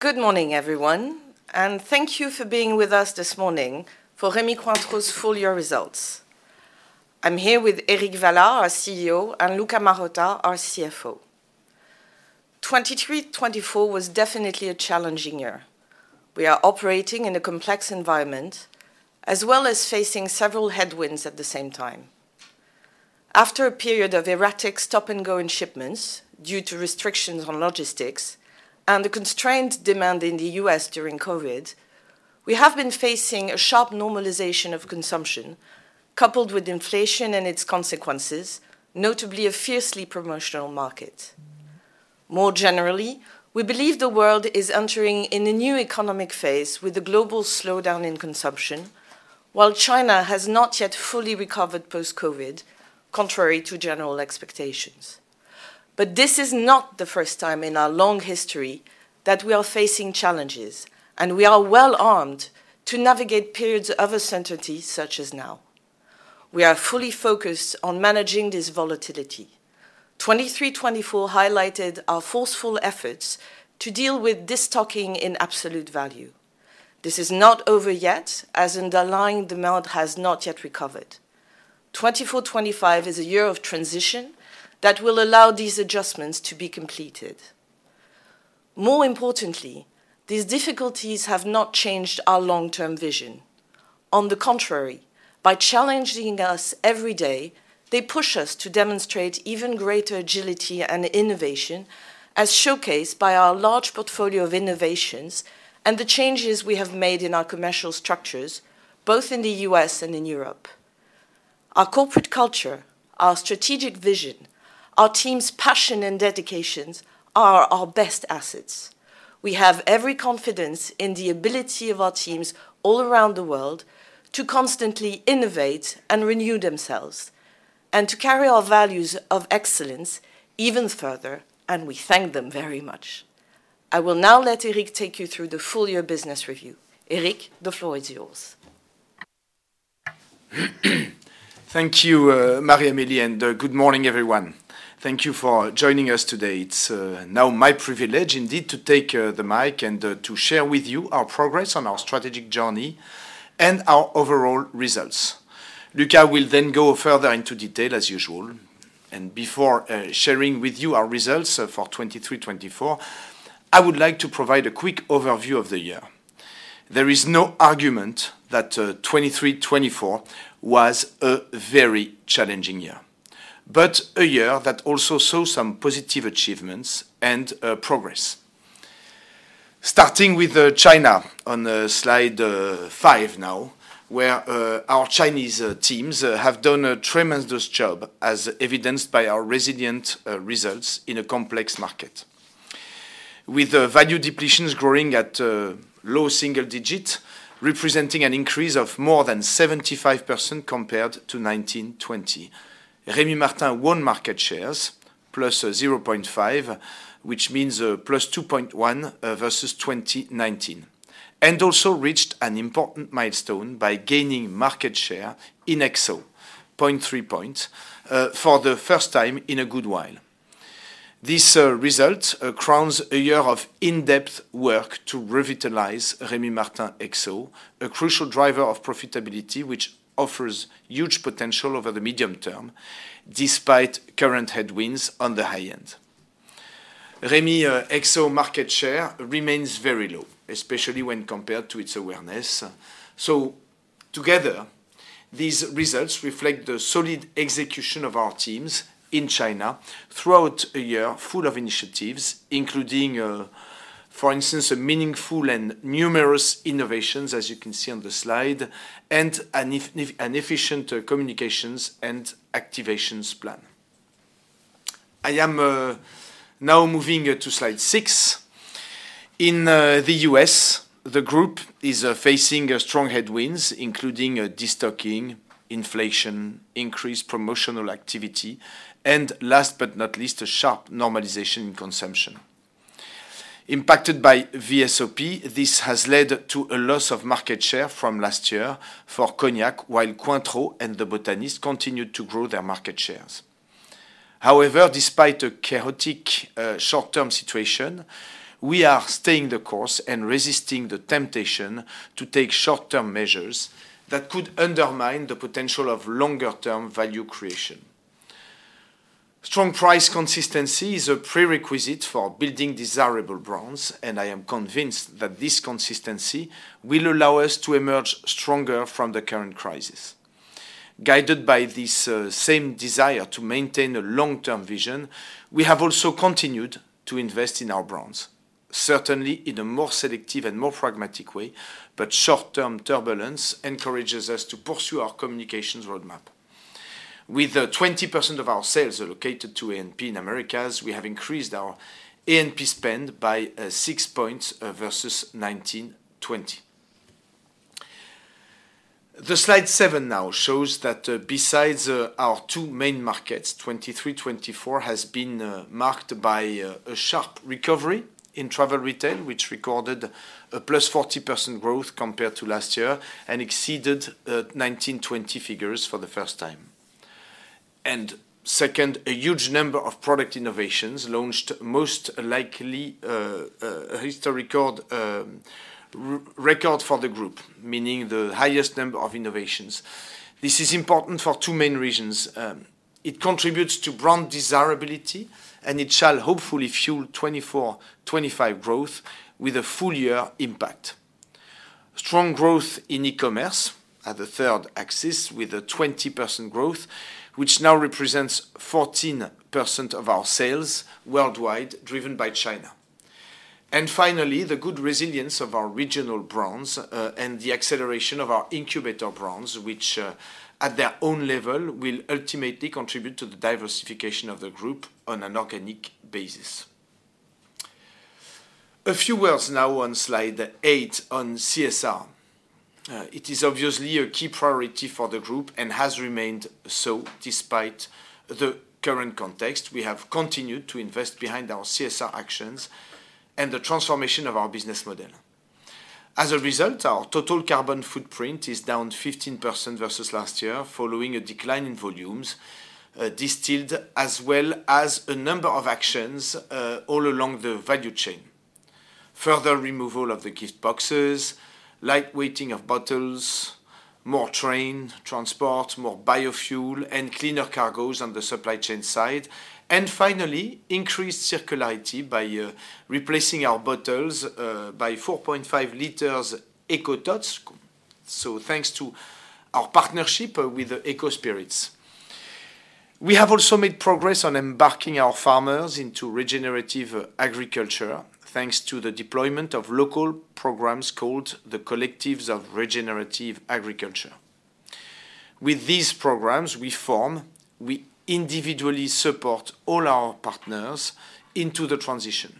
Good morning, everyone, and thank you for being with us this morning for Rémy Cointreau's full year results. I'm here with Eric Vallat, our CEO, and Luca Marotta, our CFO. 2023-2024 was definitely a challenging year. We are operating in a complex environment, as well as facing several headwinds at the same time. After a period of erratic stop-and-go in shipments due to restrictions on logistics and the constrained demand in the U.S. during COVID, we have been facing a sharp normalization of consumption, coupled with inflation and its consequences, notably a fiercely promotional market. More generally, we believe the world is entering in a new economic phase with a global slowdown in consumption, while China has not yet fully recovered post-COVID, contrary to general expectations. But this is not the first time in our long history that we are facing challenges, and we are well armed to navigate periods of uncertainty, such as now. We are fully focused on managing this volatility. 2023, 2024 highlighted our forceful efforts to deal with this destocking in absolute value. This is not over yet, as underlying demand has not yet recovered. 2024, 2025 is a year of transition that will allow these adjustments to be completed. More importantly, these difficulties have not changed our long-term vision. On the contrary, by challenging us every day, they push us to demonstrate even greater agility and innovation, as showcased by our large portfolio of innovations and the changes we have made in our commercial structures, both in the U.S. and in Europe. Our corporate culture, our strategic vision, our team's passion and dedication are our best assets. We have every confidence in the ability of our teams all around the world to constantly innovate and renew themselves, and to carry our values of excellence even further, and we thank them very much. I will now let Éric take you through the full year business review. Éric, the floor is yours. Thank you, Marie-Amélie, and good morning, everyone. Thank you for joining us today. It's now my privilege, indeed, to take the mic and to share with you our progress on our strategic journey and our overall results. Luca will then go further into detail, as usual. Before sharing with you our results for 2023-2024, I would like to provide a quick overview of the year. There is no argument that 2023-2024 was a very challenging year, but a year that also saw some positive achievements and progress. Starting with China on slide 5 now, where our Chinese teams have done a tremendous job, as evidenced by our resilient results in a complex market. With the value depletions growing at low single digit, representing an increase of more than 75% compared to 2019-2020. Rémy Martin won market shares +0.5, which means +2.1 versus 2019, and also reached an important milestone by gaining market share in XO 0.3 points for the first time in a good while. This result crowns a year of in-depth work to revitalize Rémy Martin XO, a crucial driver of profitability, which offers huge potential over the medium term, despite current headwinds on the high end. Rémy XO market share remains very low, especially when compared to its awareness. So together, these results reflect the solid execution of our teams in China throughout a year full of initiatives, including, for instance, a meaningful and numerous innovations, as you can see on the slide, and an efficient communications and activations plan. I am now moving to slide 6. In the U.S., the group is facing a strong headwinds, including a destocking, inflation, increased promotional activity, and last but not least, a sharp normalization in consumption. Impacted by VSOP, this has led to a loss of market share from last year for cognac, while Cointreau and the Botanist continued to grow their market shares. However, despite a chaotic short-term situation, we are staying the course and resisting the temptation to take short-term measures that could undermine the potential of longer-term value creation. Strong price consistency is a prerequisite for building desirable brands, and I am convinced that this consistency will allow us to emerge stronger from the current crisis. Guided by this same desire to maintain a long-term vision, we have also continued to invest in our brands, certainly in a more selective and more pragmatic way, but short-term turbulence encourages us to pursue our communications roadmap. With 20% of our sales allocated to A&P in Americas, we have increased our A&P spend by six points versus 2019, 2020. Slide 7 now shows that, besides our two main markets, 2023, 2024 has been marked by a sharp recovery in travel retail, which recorded a +40% growth compared to last year and exceeded 2019, 2020 figures for the first time. And second, a huge number of product innovations launched, most likely, a history record, record for the group, meaning the highest number of innovations. This is important for two main reasons: it contributes to brand desirability, and it shall hopefully fuel 2024-2025 growth with a full year impact. Strong growth in e-commerce are the third axis, with a 20% growth, which now represents 14% of our sales worldwide, driven by China. And finally, the good resilience of our regional brands, and the acceleration of our incubator brands, which, at their own level, will ultimately contribute to the diversification of the group on an organic basis. A few words now on slide 8, on CSR. It is obviously a key priority for the group and has remained so despite the current context. We have continued to invest behind our CSR actions and the transformation of our business model. As a result, our total carbon footprint is down 15% versus last year, following a decline in volumes distilled, as well as a number of actions all along the value chain. Further removal of the gift boxes, light weighting of bottles, more train transport, more biofuel, and cleaner cargoes on the supply chain side. Finally, increased circularity by replacing our bottles by 4.5-liter ecoTOTE. Thanks to our partnership with ecoSPIRITS. We have also made progress on embarking our farmers into regenerative agriculture, thanks to the deployment of local programs called the Collectives of Regenerative Agriculture. With these programs, we form, we individually support all our partners into the transition.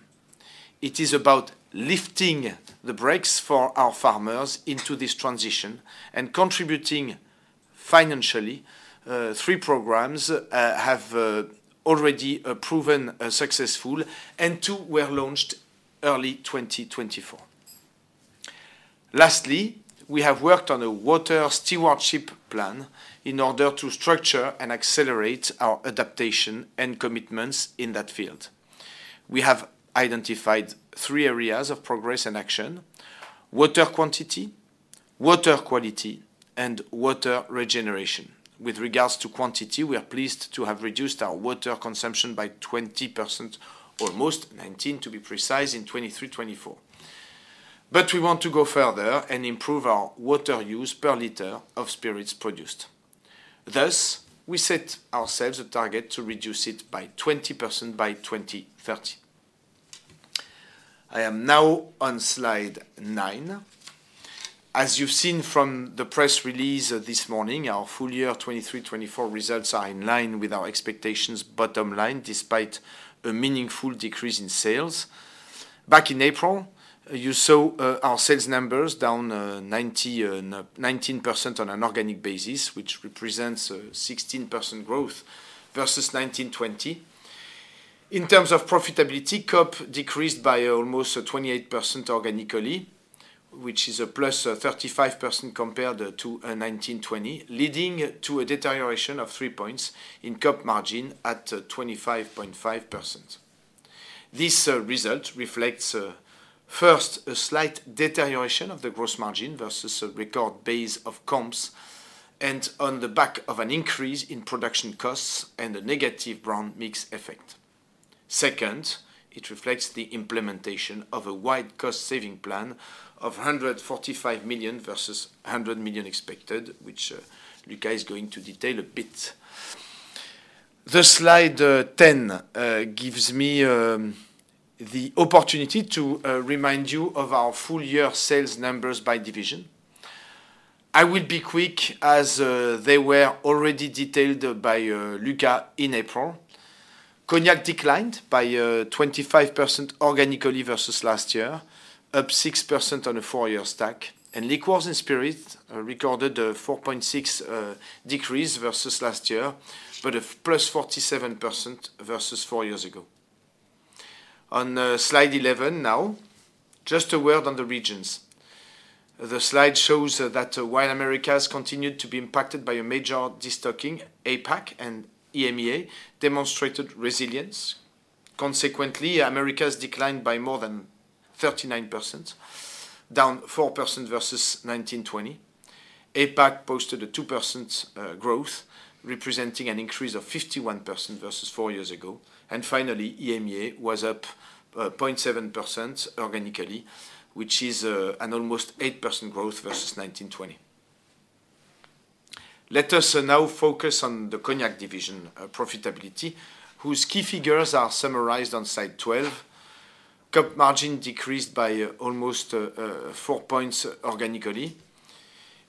It is about lifting the brakes for our farmers into this transition and contributing financially. Three programs have already proven successful, and two were launched early 2024. Lastly, we have worked on a water stewardship plan in order to structure and accelerate our adaptation and commitments in that field. We have identified three areas of progress and action: water quantity, water quality, and water regeneration. With regards to quantity, we are pleased to have reduced our water consumption by 20%, almost 19%, to be precise, in 2023-2024. But we want to go further and improve our water use per liter of spirits produced. Thus, we set ourselves a target to reduce it by 20% by 2030. I am now on slide 9. As you've seen from the press release this morning, our full year 2023-2024 results are in line with our expectations bottom line, despite a meaningful decrease in sales. Back in April, you saw our sales numbers down nineteen percent on an organic basis, which represents a 16% growth versus 2019-20. In terms of profitability, COP decreased by almost 28% organically, which is a +35% compared to 2019-20, leading to a deterioration of three points in COP margin at 25.5%. This result reflects first, a slight deterioration of the gross margin versus a record base of comps, and on the back of an increase in production costs and a negative brand mix effect. Second, it reflects the implementation of a wide cost-saving plan of 145 million versus 100 million expected, which, Luca is going to detail a bit. The slide 10 gives me the opportunity to remind you of our full year sales numbers by division. I will be quick, as they were already detailed by Luca in April. Cognac declined by 25% organically versus last year, up 6% on a four-year stack, and Liquors and Spirits recorded a 4.6% decrease versus last year, but a +47% versus four years ago. On slide 11 now, just a word on the regions. The slide shows that while Americas continued to be impacted by a major destocking, APAC and EMEA demonstrated resilience. Consequently, Americas declined by more than 39%, down 4% versus 2019-2020. APAC posted a 2% growth, representing an increase of 51% versus four years ago. Finally, EMEA was up 0.7% organically, which is an almost 8% growth versus 2019-20. Let us now focus on the Cognac division profitability, whose key figures are summarized on slide 12. COP margin decreased by almost 4 points organically.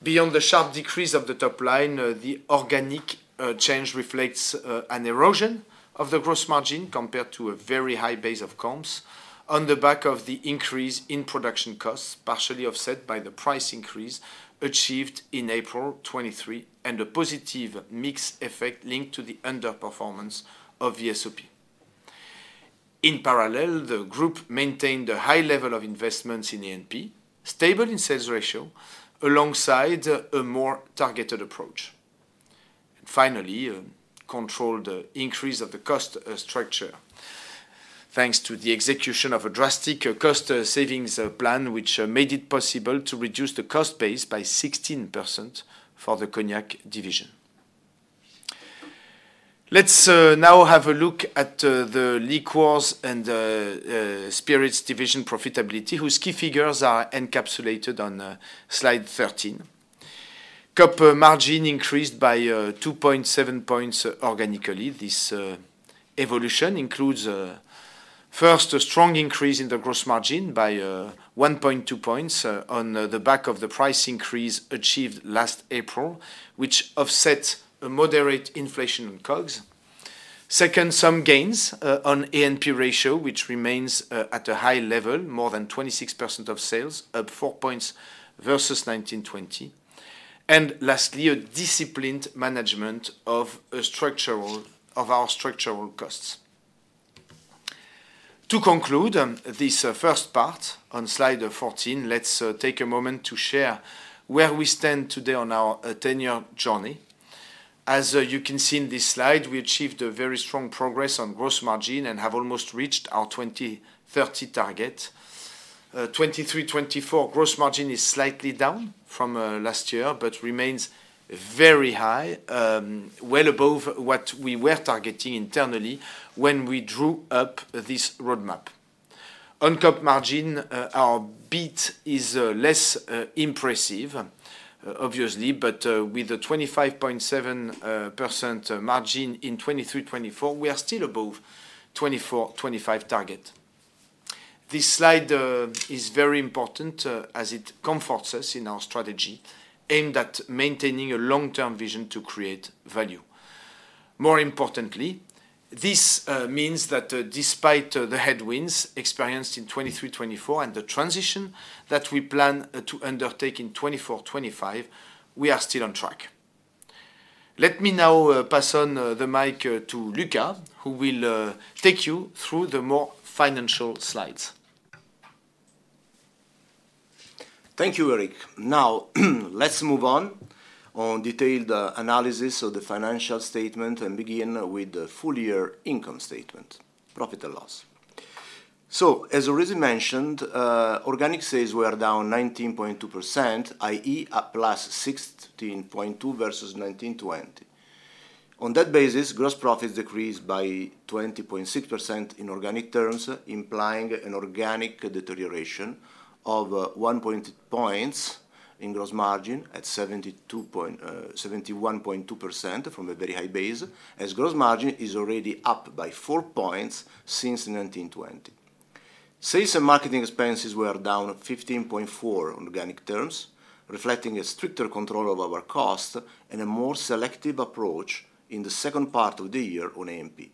Beyond the sharp decrease of the top line, the organic change reflects an erosion of the gross margin compared to a very high base of comps on the back of the increase in production costs, partially offset by the price increase achieved in April 2023, and a positive mix effect linked to the underperformance of the VSOP. In parallel, the group maintained a high level of investments in A&P, stable in sales ratio, alongside a more targeted approach. And finally, a controlled increase of the cost structure, thanks to the execution of a drastic cost savings plan, which made it possible to reduce the cost base by 16% for the Cognac Division. Let's now have a look at the liqueurs and spirits division profitability, whose key figures are encapsulated on slide 13. COP margin increased by 2.7 points organically. This evolution includes, first, a strong increase in the gross margin by 1.2 points, on the back of the price increase achieved last April, which offset a moderate inflation in COGS. Second, some gains on A&P ratio, which remains at a high level, more than 26% of sales, up 4 points versus 19/20. And lastly, a disciplined management of our structural costs. To conclude, this first part on slide 14, let's take a moment to share where we stand today on our 10-year journey. As you can see in this slide, we achieved a very strong progress on gross margin and have almost reached our 2030 target. 2023-2024 gross margin is slightly down from last year, but remains very high, well above what we were targeting internally when we drew up this roadmap. On COP margin, our beat is less impressive, obviously, but with a 25.7% margin in 2023-2024, we are still above 2024-2025 target. This slide is very important as it comforts us in our strategy, aimed at maintaining a long-term vision to create value. More importantly, this means that despite the headwinds experienced in 2023, 2024 and the transition that we plan to undertake in 2024, 2025, we are still on track. Let me now pass on the mic to Luca, who will take you through the more financial slides. Thank you, Eric. Now, let's move on to detailed analysis of the financial statement and begin with the full year income statement, profit and loss. So, as already mentioned, organic sales were down 19.2%, i.e., up +16.2 versus 19/20. On that basis, gross profits decreased by 20.6% in organic terms, implying an organic deterioration of one point in gross margin at 71.2% from a very high base, as gross margin is already up by 4 points since 19/20. Sales and marketing expenses were down 15.4% on organic terms, reflecting a stricter control of our cost and a more selective approach in the second part of the year on A&P.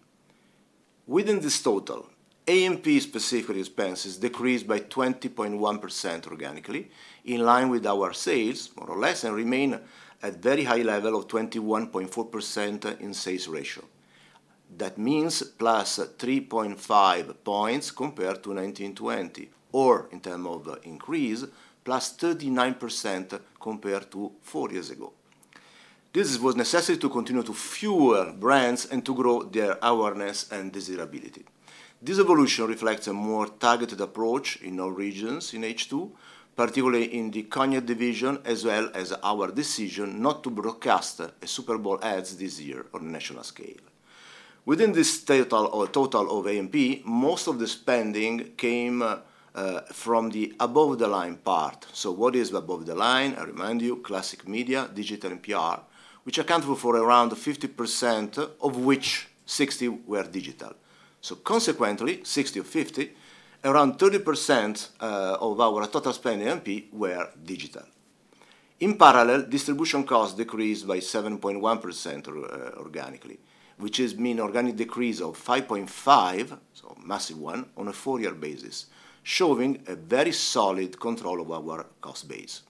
Within this total, A&P specific expenses decreased by 20.1% organically, in line with our sales, more or less, and remain at very high level of 21.4% in sales ratio. That means plus 3.5 points compared to 2019-20, or in term of increase, plus 39% compared to four years ago. This was necessary to continue to fuel brands and to grow their awareness and desirability. This evolution reflects a more targeted approach in all regions in H2, particularly in the cognac division, as well as our decision not to broadcast a Super Bowl ads this year on a national scale. Within this total or total of A&P, most of the spending came from the above-the-line part. So what is above the line? I remind you, classic media, digital and PR, which accounted for around 50%, of which 60 were digital. So consequently, 60 or 50, around 30% of our total spend in A&P were digital. In parallel, distribution costs decreased by 7.1%, organically, which means organic decrease of 5.5, so massive one, on a 4-year basis, showing a very solid control of our cost base.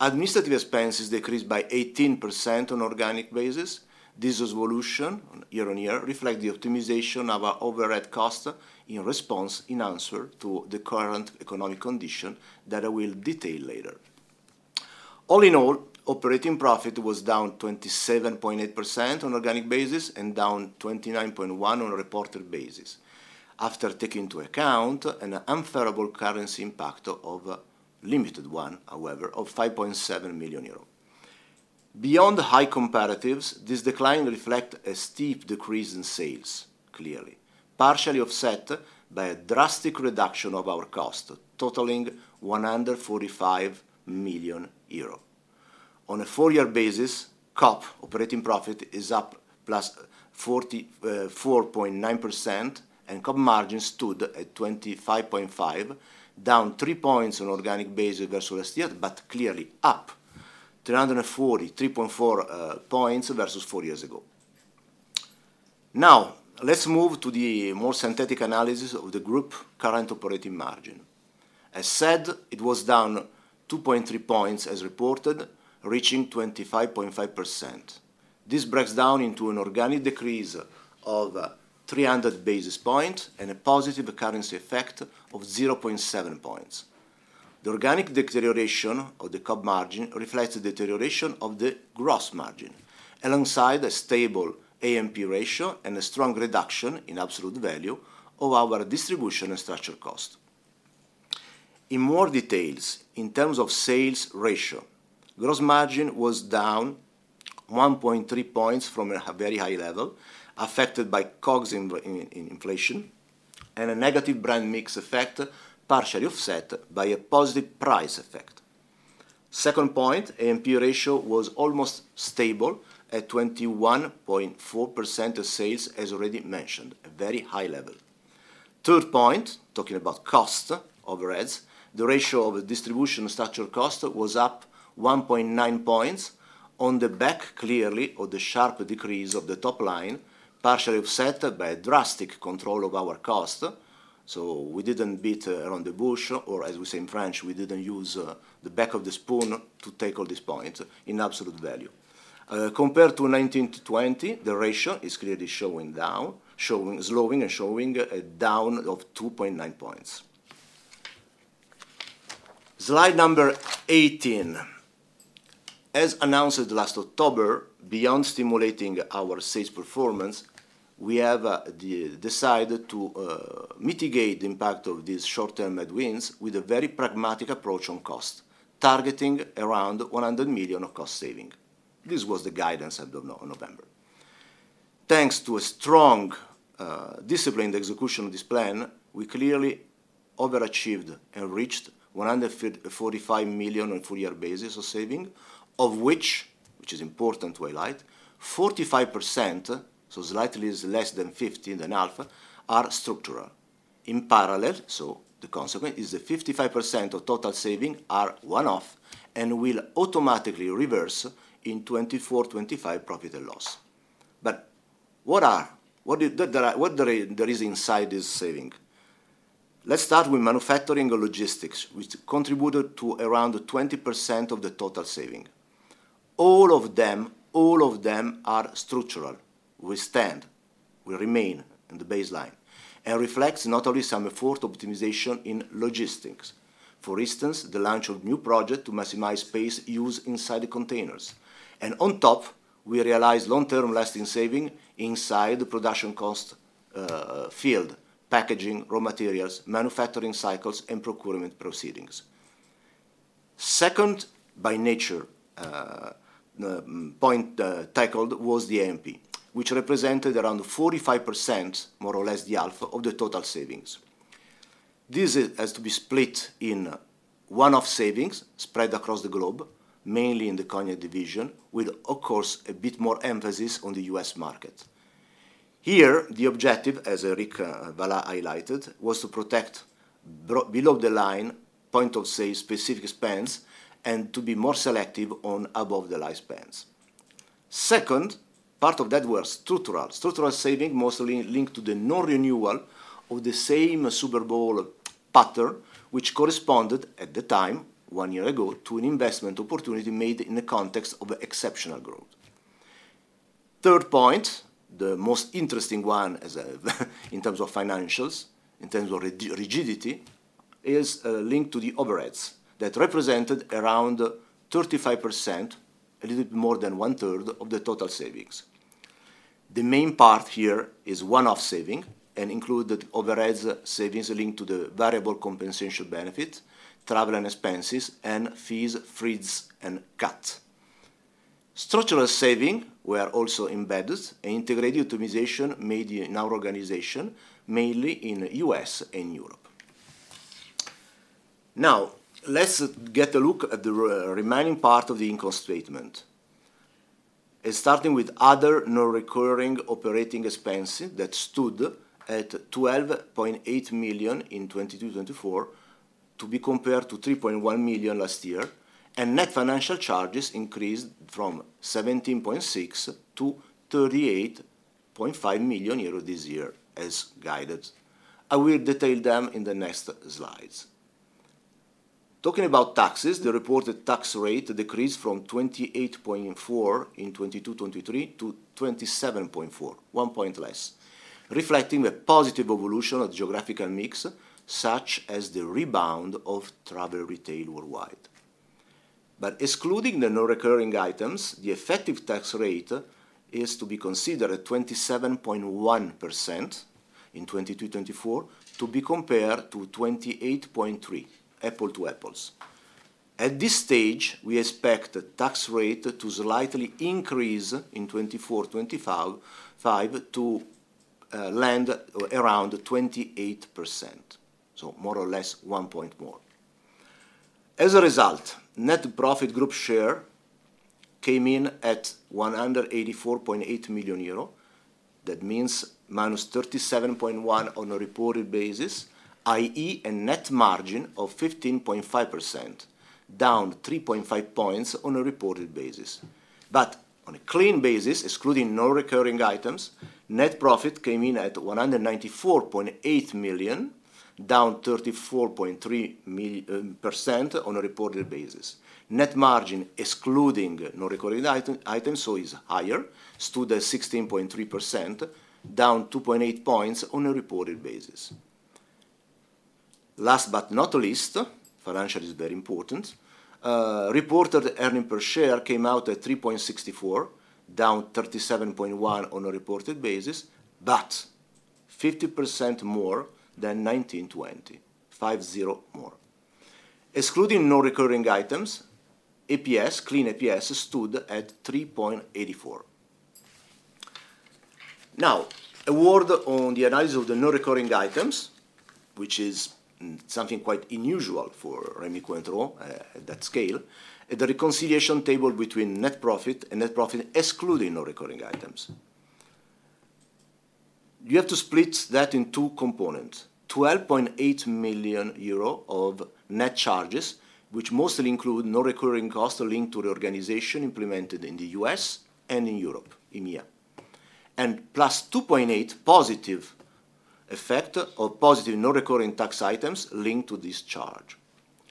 Administrative expenses decreased by 18% on organic basis. This evolution, year on year, reflect the optimization of our overhead cost in response, in answer to the current economic condition that I will detail later. All in all, operating profit was down 27.8% on organic basis and down 29.1% on a reported basis, after taking into account an unfavorable currency impact of, a limited one, however, of 5.7 million euros. Beyond the high comparatives, this decline reflects a steep decrease in sales, clearly, partially offset by a drastic reduction of our costs, totaling 145 million euro. On a four-year basis, COP operating profit is up +44.9%, and COP margin stood at 25.5, down 3 points on organic basis versus last year, but clearly up 343.4 points versus four years ago. Now, let's move to the more synthetic analysis of the group current operating margin. As said, it was down 2.3 points as reported, reaching 25.5%. This breaks down into an organic decrease of 300 basis points and a positive currency effect of 0.7 points. The organic deterioration of the COGS margin reflects the deterioration of the gross margin, alongside a stable AMP ratio and a strong reduction in absolute value of our distribution and structural cost. In more details, in terms of sales ratio, gross margin was down 1.3 points from a very high level, affected by COGS inflation and a negative brand mix effect, partially offset by a positive price effect. Second point, AMP ratio was almost stable at 21.4% of sales, as already mentioned, a very high level. Third point, talking about cost overheads, the ratio of distribution structural cost was up 1.9 points on the back of the sharp decrease of the top line, partially offset by a drastic control of our cost. So we didn't beat around the bush, or as we say in French, we didn't use the back of the spoon to take all these points in absolute value. Compared to 2019 to 2020, the ratio is clearly showing down, slowing and showing a down of 2.9 points. Slide number 18. As announced last October, beyond stimulating our sales performance, we have decided to mitigate the impact of these short-term headwinds with a very pragmatic approach on cost, targeting around 100 million of cost saving. This was the guidance as of November. Thanks to a strong, disciplined execution of this plan, we clearly overachieved and reached 145 million on full year basis of saving, of which, which is important to highlight, 45%, so slightly less than 50, than half, are structural. In parallel, so the consequent is that 55% of total savings are one-off and will automatically reverse in 2024, 2025 profit and loss. But what is there inside this saving? Let's start with manufacturing and logistics, which contributed to around 20% of the total saving. All of them, all of them are structural. We stand, we remain in the baseline, and reflects not only some effort optimization in logistics. For instance, the launch of new project to maximize space use inside the containers. And on top, we realize long-term lasting saving inside the production cost field: packaging, raw materials, manufacturing cycles, and procurement proceedings. Second, by nature, the point tackled was the AMP, which represented around 45%, more or less the half of the total savings. This has to be split in one-off savings spread across the globe, mainly in the cognac division, with, of course, a bit more emphasis on the US market. Here, the objective, as Eric Vallat highlighted, was to protect below-the-line point of sale specific spends, and to be more selective on above-the-line spends. Second, part of that was structural. Structural saving, mostly linked to the non-renewal of the same Super Bowl pattern, which corresponded at the time, one year ago, to an investment opportunity made in the context of exceptional growth. Third point, the most interesting one as in terms of financials, in terms of rigidity, is linked to the overheads that represented around 35%, a little bit more than one third of the total savings. The main part here is one-off saving, and included overheads savings linked to the variable compensation benefit, travel and expenses, and fees, freights, and cuts. Structural savings were also embedded and integrated optimization made in our organization, mainly in U.S. and Europe. Now, let's get a look at the remaining part of the income statement. Starting with other non-recurring operating expenses that stood at 12.8 million in 2023-2024, to be compared to 3.1 million last year, and net financial charges increased from 17.6 million-38.5 million euros this year, as guided. I will detail them in the next slides. Talking about taxes, the reported tax rate decreased from 28.4% in 2022-2023 to 27.4%, 1 point less, reflecting the positive evolution of geographical mix, such as the rebound of travel retail worldwide. But excluding the non-recurring items, the effective tax rate is to be considered at 27.1% in 2022-2024, to be compared to 28.3%, apples to apples. At this stage, we expect the tax rate to slightly increase in 2024-2025, to land around 28%, so more or less one point more. As a result, net profit group share came in at 184.8 million euro. That means minus 37.1% on a reported basis, i.e., a net margin of 15.5%... down 3.5 points on a reported basis. But on a clean basis, excluding non-recurring items, net profit came in at 194.8 million, down 34.3% on a reported basis. Net margin, excluding non-recurring items, so is higher, stood at 16.3%, down 2.8 points on a reported basis. Last but not least, financial is very important, reported earnings per share came out at 3.64, down 37.1 on a reported basis, but 50% more than 19/20, 50% more. Excluding non-recurring items, EPS, clean EPS stood at 3.84. Now, a word on the analysis of the non-recurring items, which is something quite unusual for Rémy Cointreau, at that scale. The reconciliation table between net profit and net profit, excluding non-recurring items. You have to split that in two components: 12.8 million euro of net charges, which mostly include non-recurring costs linked to the organization implemented in the US and in Europe, EMEA. Plus 2.8 positive effect or positive non-recurring tax items linked to this charge.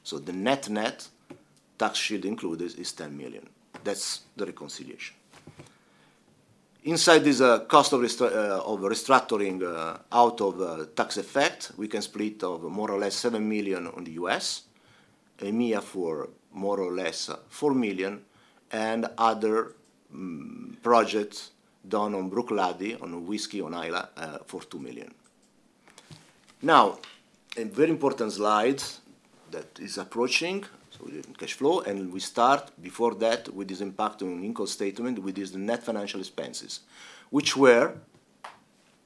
So the net, net tax shield included is 10 million. That's the reconciliation. Inside this, cost of restructuring, out of tax effect, we can split of more or less 7 million on the US, EMEA for more or less 4 million, and other projects done on Bruichladdich, on whisky on Islay, for 2 million. Now, a very important slide that is approaching, so cash flow, and we start before that with this impact on income statement with these net financial expenses, which were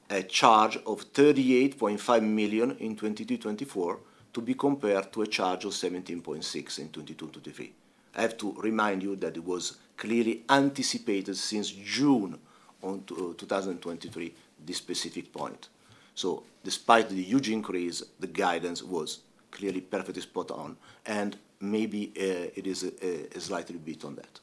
a charge of 38.5 million in 2024, to be compared to a charge of 17.6 million in 2023. I have to remind you that it was clearly anticipated since June 2023, this specific point. So despite the huge increase, the guidance was clearly perfectly spot on, and maybe, it is, a slightly beat on that.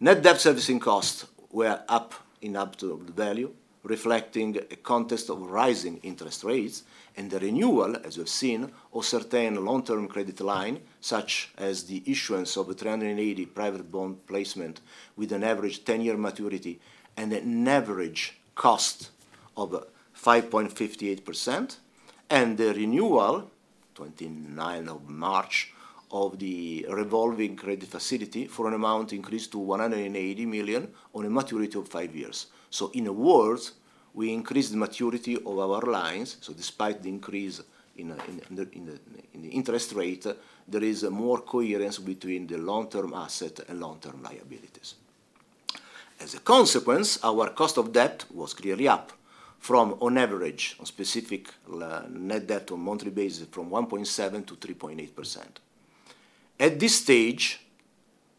Net debt servicing costs were up in absolute value, reflecting a context of rising interest rates and the renewal, as you've seen, of certain long-term credit lines, such as the issuance of a 380 million private bond placement with an average 10-year maturity and an average cost of 5.58%, and the renewal, March 29, of the revolving credit facility for an amount increased to 180 million on a maturity of 5 years. So in a word, we increased the maturity of our lines, so despite the increase in the interest rate, there is more coherence between the long-term asset and long-term liabilities. As a consequence, our cost of debt was clearly up from on average, on specific, net debt on monthly basis, from 1.7% to 3.8%. At this stage,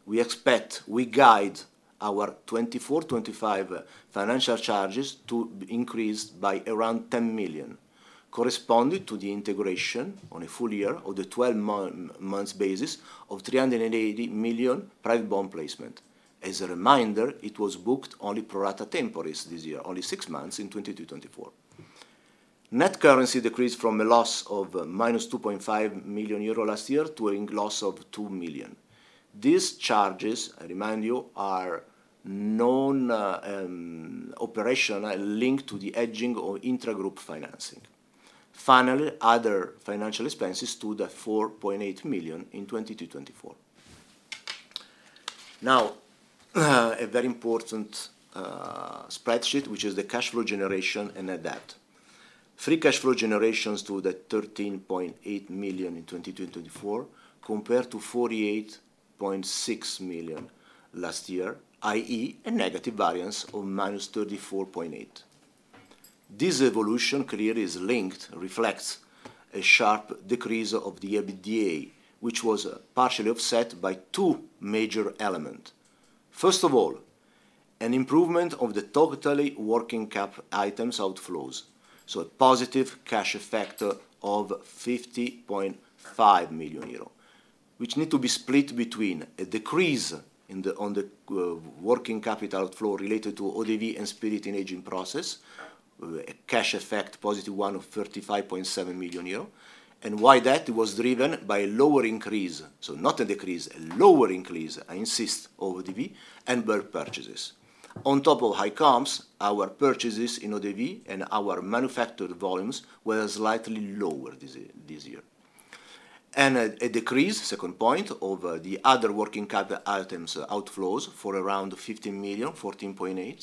we expect, we guide our 2024, 2025 financial charges to increase by around 10 million, corresponding to the integration on a full year or the twelve months basis of 380 million private bond placement. As a reminder, it was booked only pro rata temporis this year, only six months in 2022, 2024. Net currency decreased from a loss of -2.5 million euro last year to a loss of 2 million. These charges, I remind you, are non, operational, linked to the hedging or intragroup financing. Finally, other financial expenses stood at 4.8 million in 2024. Now, a very important spreadsheet, which is the cash flow generation and debt. Free cash flow generation to the 13.8 million in 2024, compared to 48.6 million last year, i.e., a negative variance of -34.8 million. This evolution clearly is linked, reflects a sharp decrease of the EBITDA, which was partially offset by two major element. First of all, an improvement of the overall working capital items outflows, so a positive cash effect of 50.5 million euro, which need to be split between a decrease in the working capital outflow related to ODV and spirits in aging process, a positive cash effect of 35.7 million euro. And why that? It was driven by a lower increase, so not a decrease, a lower increase, I insist, of ODV and bulk purchases. On top of high comps, our purchases in ODV and our manufactured volumes were slightly lower this year. And a decrease, second point, of the other working capital items outflows for around 15 million, 14.8 million,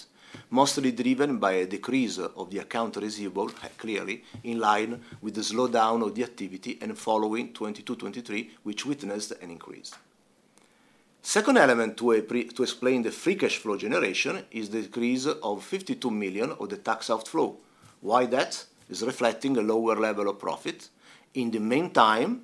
mostly driven by a decrease of the accounts receivable, clearly in line with the slowdown of the activity and following 2022, 2023, which witnessed an increase. Second element to explain the free cash flow generation is the decrease of 52 million in the tax outflow. Why that? It is reflecting a lower level of profit. In the meantime,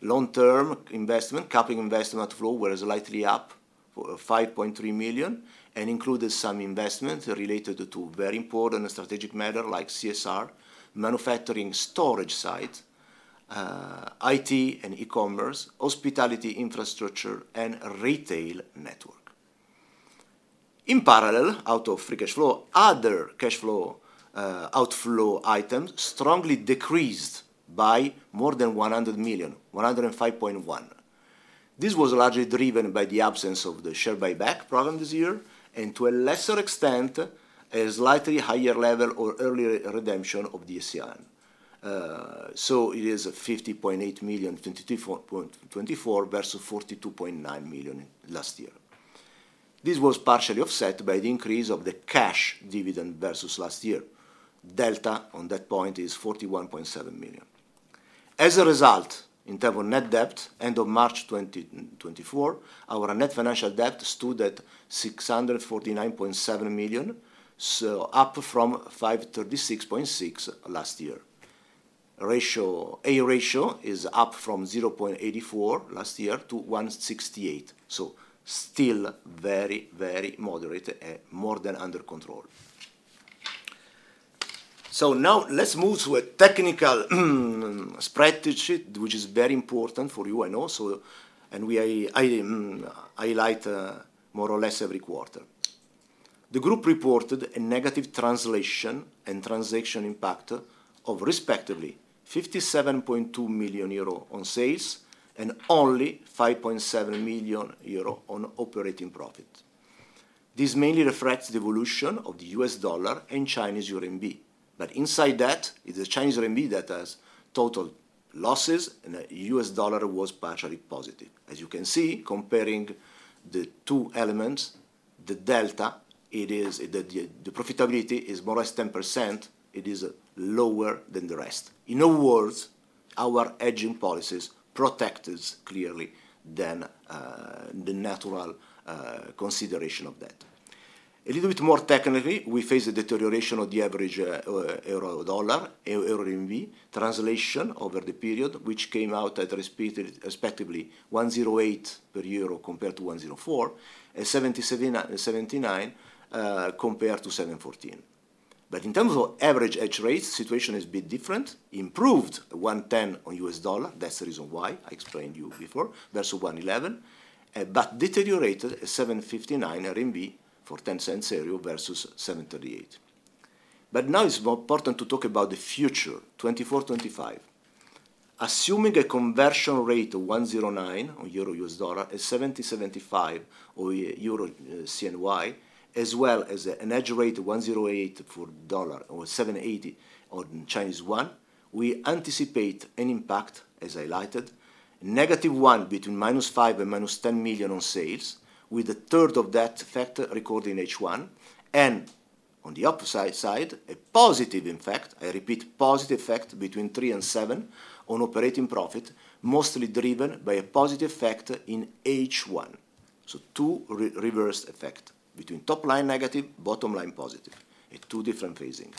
long-term investment, capex investment flow was slightly up for 5.3 million, and included some investments related to very important strategic matter like CSR, manufacturing storage site, IT and e-commerce, hospitality infrastructure, and retail network. In parallel, out of free cash flow, other cash flow, outflow items strongly decreased by more than 100 million, 105.1 million. This was largely driven by the absence of the share buyback program this year, and to a lesser extent, a slightly higher level or earlier redemption of the OCEANE. So it is 50.8 million, 2023/24 versus 42.9 million last year. This was partially offset by the increase of the cash dividend versus last year. Delta on that point is 41.7 million. As a result, in terms of net debt, end of March 2024, our net financial debt stood at 649.7 million, so up from 536.6 million last year. The ratio is up from 0.84 last year to 1.68, so still very, very moderate, more than under control. So now let's move to a technical spreadsheet, which is very important for you, I know, so. And I highlight more or less every quarter. The group reported a negative translation and transaction impact of respectively 57.2 million euro on sales and only 5.7 million euro on operating profit. This mainly reflects the evolution of the US dollar and Chinese RMB. But inside that, it's the Chinese RMB that has total losses, and the US dollar was partially positive. As you can see, comparing the two elements, the delta, it is the profitability is more or less 10%, it is lower than the rest. In other words, our hedging policies protect us clearly than the natural consideration of that. A little bit more technically, we face a deterioration of the average euro dollar, euro RMB translation over the period, which came out at respectively 1.08 per euro, compared to 1.04, and 7.79 compared to 7.14. But in terms of average hedge rates, situation is a bit different, improved 1.10 on US dollar. That's the reason why I explained to you before, versus 1.11, but deteriorated 7.59 RMB for 0.10 EUR versus 7.38. But now it's more important to talk about the future, 2024, 2025. Assuming a conversion rate of 1.09 EUR/USD, and 7.75 EUR/CNY, as well as an exchange rate of 1.08 dollar to 7.80 Chinese yuan, we anticipate an impact, as highlighted, negative 1 between minus 5 and minus 10 million on sales, with a third of that effect recorded in H1. And on the opposite side, a positive impact, I repeat, positive effect between 3 and 7 on operating profit, mostly driven by a positive effect in H1. So two reversed effects, between top line negative, bottom line positive, and two different phasings.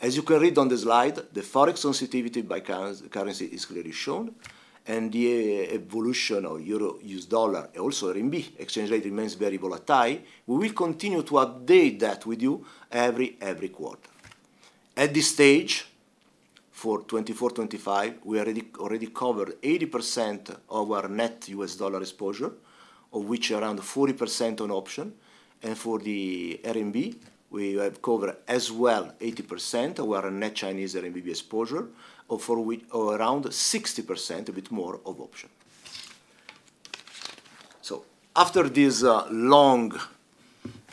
As you can read on the slide, the Forex sensitivity by currency is clearly shown, and the evolution of euro, U.S. dollar, also RMB, exchange rate remains very volatile. We will continue to update that with you every quarter. At this stage, for 2024-2025, we already covered 80% of our net U.S. dollar exposure, of which around 40% on option, and for the RMB, we have covered as well 80% of our net Chinese RMB exposure, of which around 60%, a bit more of option. So after this long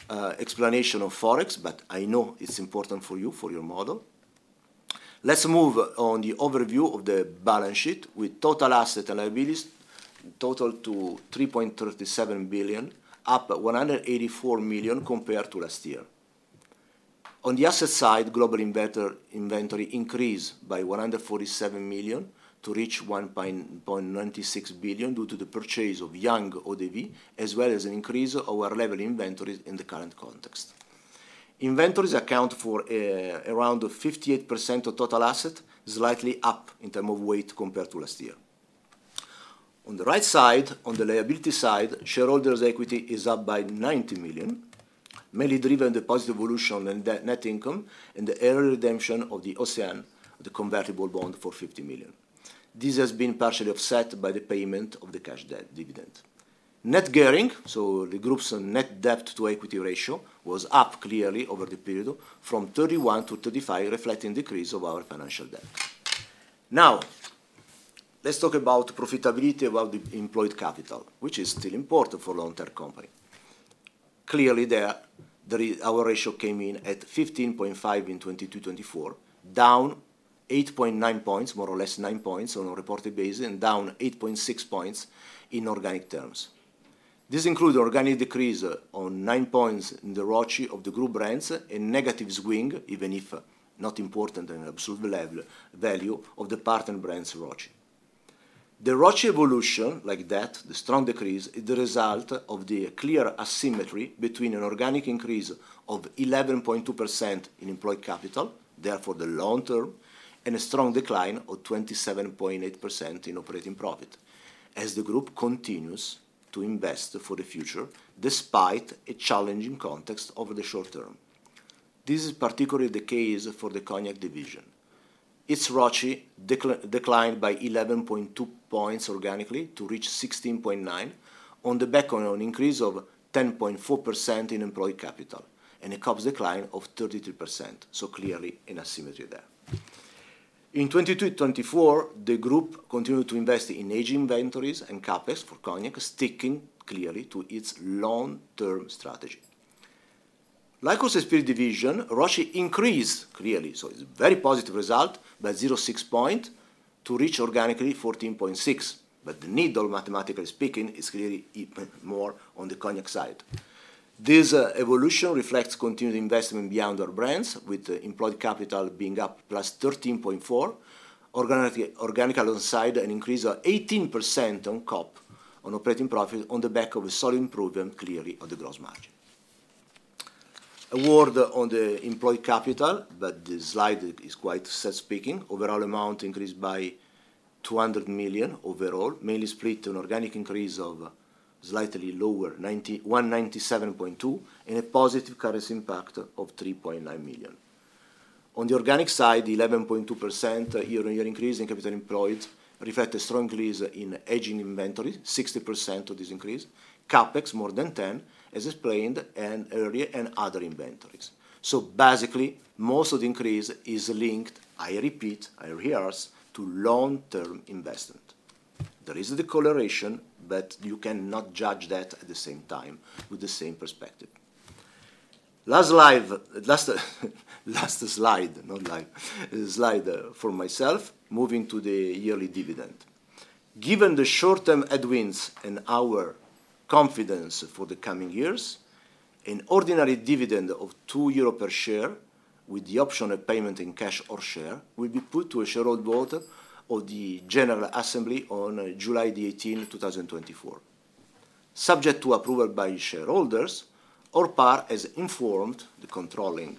explanation of Forex, but I know it's important for you, for your model, let's move on the overview of the balance sheet with total assets and liabilities total to 3.37 billion, up 184 million compared to last year. On the asset side, global inventory increased by 147 million to reach 1.96 billion due to the purchase of young ODV, as well as an increase of our level inventories in the current context. Inventories account for around 58% of total assets, slightly up in terms of weight compared to last year. On the right side, on the liability side, shareholders' equity is up by 90 million, mainly driven by the positive evolution and the net income and the early redemption of the OCEANE, the convertible bond for 50 million. This has been partially offset by the payment of the cash dividend. Net gearing, so the group's net debt to equity ratio, was up clearly over the period from 31%-35%, reflecting decrease of our financial debt. Now, let's talk about profitability about the employed capital, which is still important for long-term company. Clearly, our ratio came in at 15.5 in 2022-2024, down 8.9 points, more or less 9 points on a reported basis, and down 8.6 points in organic terms. This includes organic decrease on 9 points in the ROCE of the group brands, a negative swing, even if not important in absolute level, value of the partner brands ROCE. The ROCE evolution like that, the strong decrease, is the result of the clear asymmetry between an organic increase of 11.2% in employed capital, therefore the long term, and a strong decline of 27.8% in operating profit, as the group continues to invest for the future despite a challenging context over the short term. This is particularly the case for the cognac division. Its ROCE declined by 11.2 points organically, to reach 16.9, on the back of an increase of 10.4% in employed capital, and a COP decline of 32%, so clearly an asymmetry there. In 2022-2024, the group continued to invest in aging inventories and CapEx for cognac, sticking clearly to its long-term strategy. Like the spirits division, ROCE increased clearly, so it's a very positive result, by 0.6 points to reach organically 14.6. But the needle, mathematically speaking, is clearly even more on the cognac side. This evolution reflects continued investment beyond our brands, with employed capital being up +13.4, organically, organically on the side, an increase of 18% on COP, on operating profit, on the back of a solid improvement, clearly on the gross margin. A word on the employed capital, but the slide is quite self-explanatory. Overall amount increased by 200 million overall, mainly split to an organic increase of slightly lower, 97.2, and a positive currency impact of 3.9 million. On the organic side, 11.2% year-on-year increase in capital employed reflect a strong increase in aging inventory, 60% of this increase. CapEx, more than 10, as explained earlier, and other inventories. So basically, most of the increase is linked, I repeat, I rehearse, to long-term investment. There is a decorrelation, but you cannot judge that at the same time with the same perspective. Last slide for myself, moving to the yearly dividend. Given the short-term headwinds and our confidence for the coming years, an ordinary dividend of 2 euro per share, with the option of payment in cash or share, will be put to a shareholder vote of the General Assembly on July the eighteenth, 2024. Subject to approval by shareholders, Orpar has informed the controlling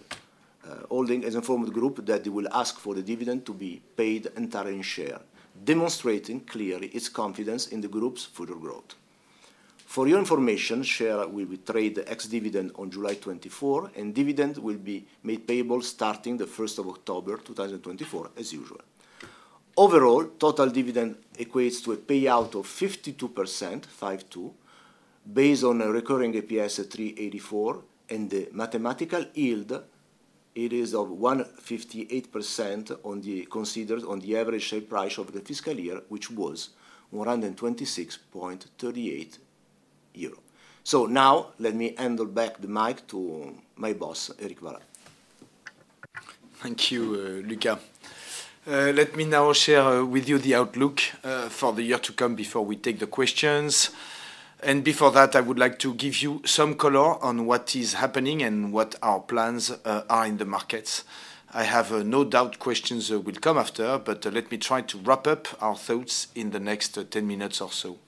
holding that they will ask for the dividend to be paid entirely in share, demonstrating clearly its confidence in the group's future growth. For your information, shares will trade ex-dividend on July 24, and dividend will be made payable starting the first of October, 2024, as usual. Overall, total dividend equates to a payout of 52%, 52, based on a recurring EPS of 3.84, and the mathematical yield, it is of 1.58% on the—considered on the average share price of the fiscal year, which was 126.38 euro. So now let me hand back the mic to my boss, Éric Vallat. Thank you, Luca. Let me now share with you the outlook for the year to come before we take the questions. Before that, I would like to give you some color on what is happening and what our plans are in the market. I have no doubt questions will come after, but let me try to wrap up our thoughts in the next 10 minutes or so.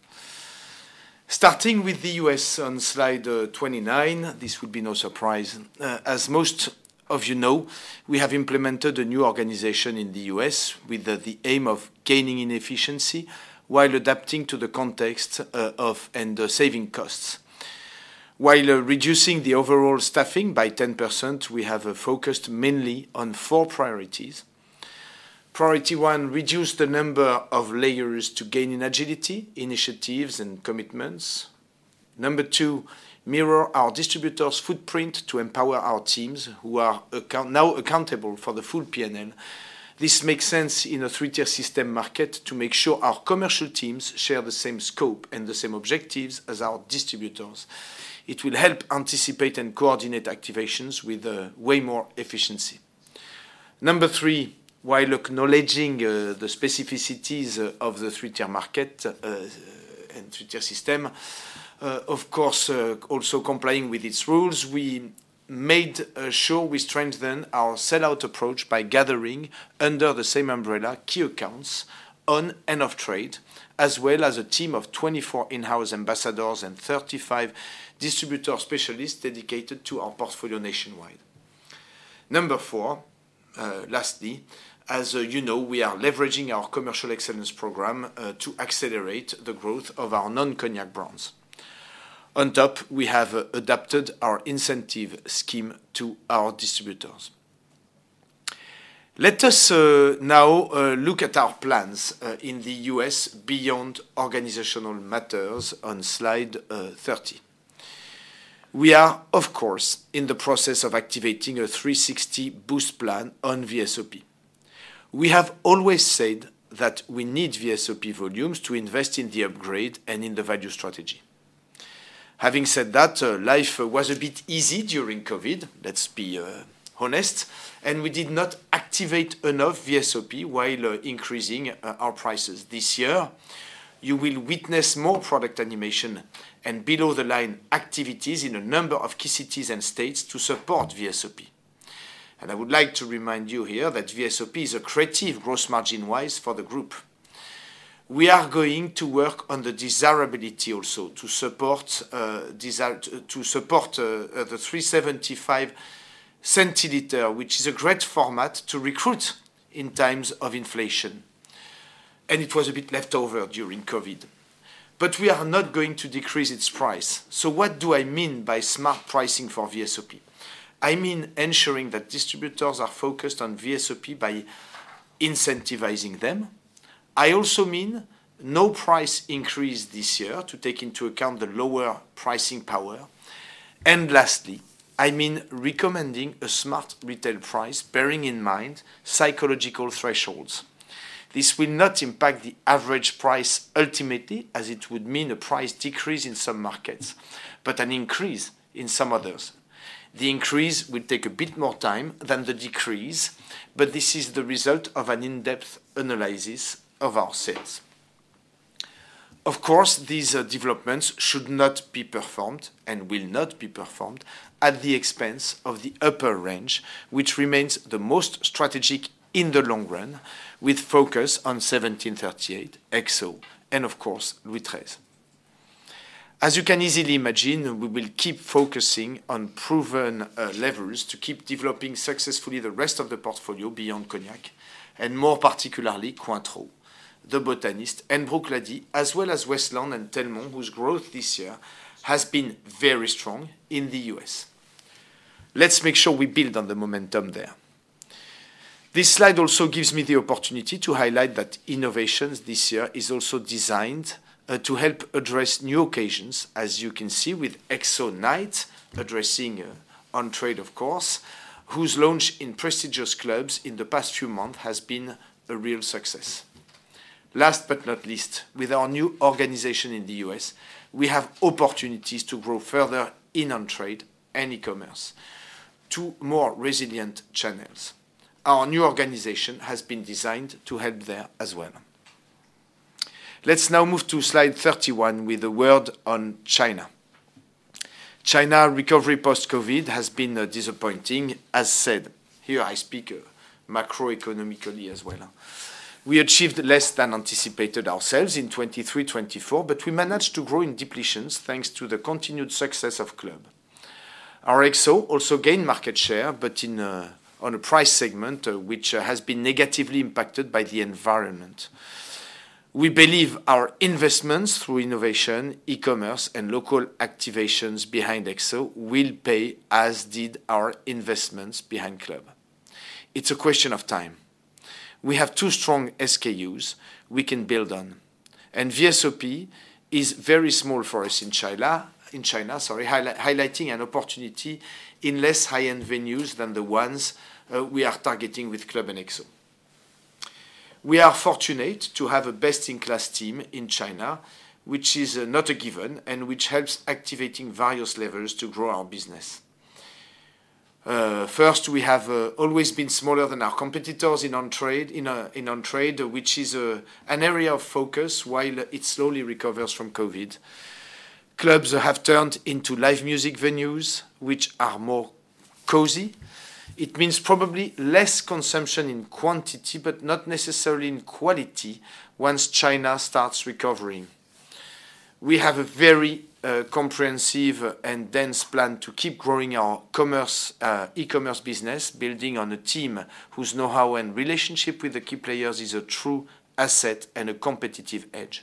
Starting with the U.S. on slide 29, this would be no surprise. As most of you know, we have implemented a new organization in the U.S. with the aim of gaining in efficiency while adapting to the context of and saving costs. While reducing the overall staffing by 10%, we have focused mainly on four priorities. Priority 1, reduce the number of layers to gain in agility, initiatives, and commitments. Number 2, mirror our distributors' footprint to empower our teams, who are now accountable for the full P&L. This makes sense in a three-tier system market to make sure our commercial teams share the same scope and the same objectives as our distributors. It will help anticipate and coordinate activations with way more efficiency. Number 3, while acknowledging the specificities of the three-tier market and three-tier system, of course, also complying with its rules, we made sure we strengthen our sellout approach by gathering under the same umbrella, key accounts on and off trade, as well as a team of 24 in-house ambassadors and 35 distributor specialists dedicated to our portfolio nationwide. Number 4, lastly, as you know, we are leveraging our Commercial Excellence Program to accelerate the growth of our non-cognac brands. On top, we have adapted our incentive scheme to our distributors. Let us now look at our plans in the U.S. beyond organizational matters on slide 30. We are, of course, in the process of activating a 360 boost plan on VSOP. We have always said that we need VSOP volumes to invest in the upgrade and in the value strategy. Having said that, life was a bit easy during COVID. Let's be honest, and we did not activate enough VSOP while increasing our prices this year. You will witness more product animation and below-the-line activities in a number of key cities and states to support VSOP. I would like to remind you here that VSOP is a creative, gross margin wise, for the group. We are going to work on the desirability also to support the 37.5 centiliter, which is a great format to recruit in times of inflation, and it was a bit left over during COVID. But we are not going to decrease its price. So what do I mean by smart pricing for VSOP? I mean ensuring that distributors are focused on VSOP by incentivizing them. I also mean, no price increase this year to take into account the lower pricing power. And lastly, I mean recommending a smart retail price, bearing in mind psychological thresholds. This will not impact the average price ultimately, as it would mean a price decrease in some markets, but an increase in some others. The increase will take a bit more time than the decrease, but this is the result of an in-depth analysis of our sales. Of course, these developments should not be performed, and will not be performed, at the expense of the upper range, which remains the most strategic in the long run, with focus on 1738, XO, and of course, Louis XIII. As you can easily imagine, we will keep focusing on proven levels to keep developing successfully the rest of the portfolio beyond cognac, and more particularly, Cointreau, The Botanist, and Bruichladdich, as well as Westland and Telmont, whose growth this year has been very strong in the U.S. Let's make sure we build on the momentum there. This slide also gives me the opportunity to highlight that innovations this year is also designed to help address new occasions, as you can see, with XO Night, addressing on-trade, of course, whose launch in prestigious clubs in the past few months has been a real success. Last but not least, with our new organization in the U.S., we have opportunities to grow further in on-trade and e-commerce, two more resilient channels. Our new organization has been designed to help there as well. Let's now move to slide 31 with a word on China. China recovery post-COVID has been disappointing, as said. Here I speak macroeconomically as well. We achieved less than anticipated ourselves in 2023, 2024, but we managed to grow in depletions, thanks to the continued success of Club. Our XO also gained market share, but in on a price segment which has been negatively impacted by the environment. We believe our investments through innovation, e-commerce, and local activations behind XO will pay, as did our investments behind Club. It's a question of time. We have two strong SKUs we can build on, and VSOP is very small for us in China, in China, sorry, highlighting an opportunity in less high-end venues than the ones we are targeting with Club and XO. We are fortunate to have a best-in-class team in China, which is not a given, and which helps activating various levels to grow our business. First, we have always been smaller than our competitors in on-trade, in on-trade, which is an area of focus while it slowly recovers from COVID. Clubs have turned into live music venues, which are more cozy. It means probably less consumption in quantity, but not necessarily in quality once China starts recovering. We have a very comprehensive and dense plan to keep growing our commerce, e-commerce business, building on a team whose know-how and relationship with the key players is a true asset and a competitive edge.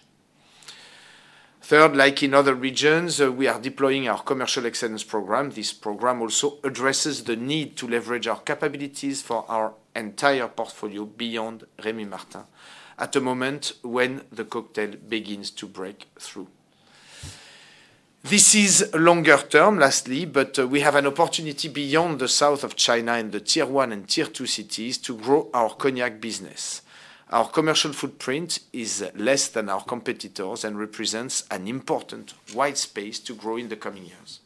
Third, like in other regions, we are deploying our Commercial Excellence Program. This program also addresses the need to leverage our capabilities for our entire portfolio beyond Rémy Martin, at a moment when the cocktail begins to break through. This is longer term, lastly, but we have an opportunity beyond the south of China and the Tier One and Tier Two cities to grow our cognac business. Our commercial footprint is less than our competitors' and represents an important wide space to grow in the coming years.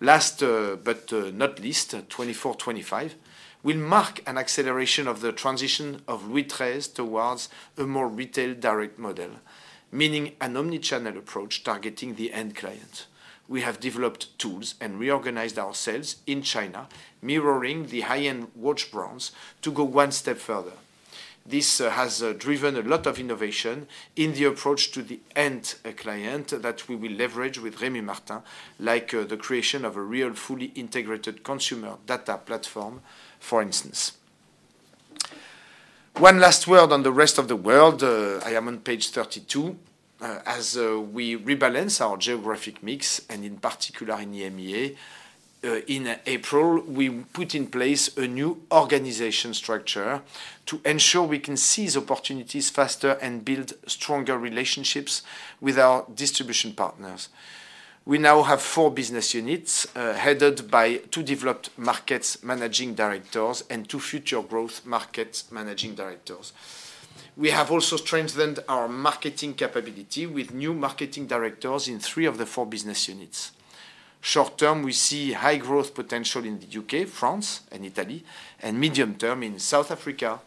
Last, but, not least, 2024, 2025 will mark an acceleration of the transition of Louis XIII towards a more retail direct model, meaning an omni-channel approach targeting the end client. We have developed tools and reorganized ourselves in China, mirroring the high-end watch brands to go one step further. This has driven a lot of innovation in the approach to the end client, that we will leverage with Rémy Martin, like, the creation of a real, fully integrated consumer data platform, for instance. One last word on the rest of the world. I am on page 32. As we rebalance our geographic mix, and in particular in EMEA, in April, we put in place a new organization structure to ensure we can seize opportunities faster and build stronger relationships with our distribution partners. We now have four business units, headed by two developed markets managing directors and two future growth markets managing directors. We have also strengthened our marketing capability with new marketing directors in three of the four business units. Short term, we see high growth potential in the UK, France and Italy, and medium term in South Africa,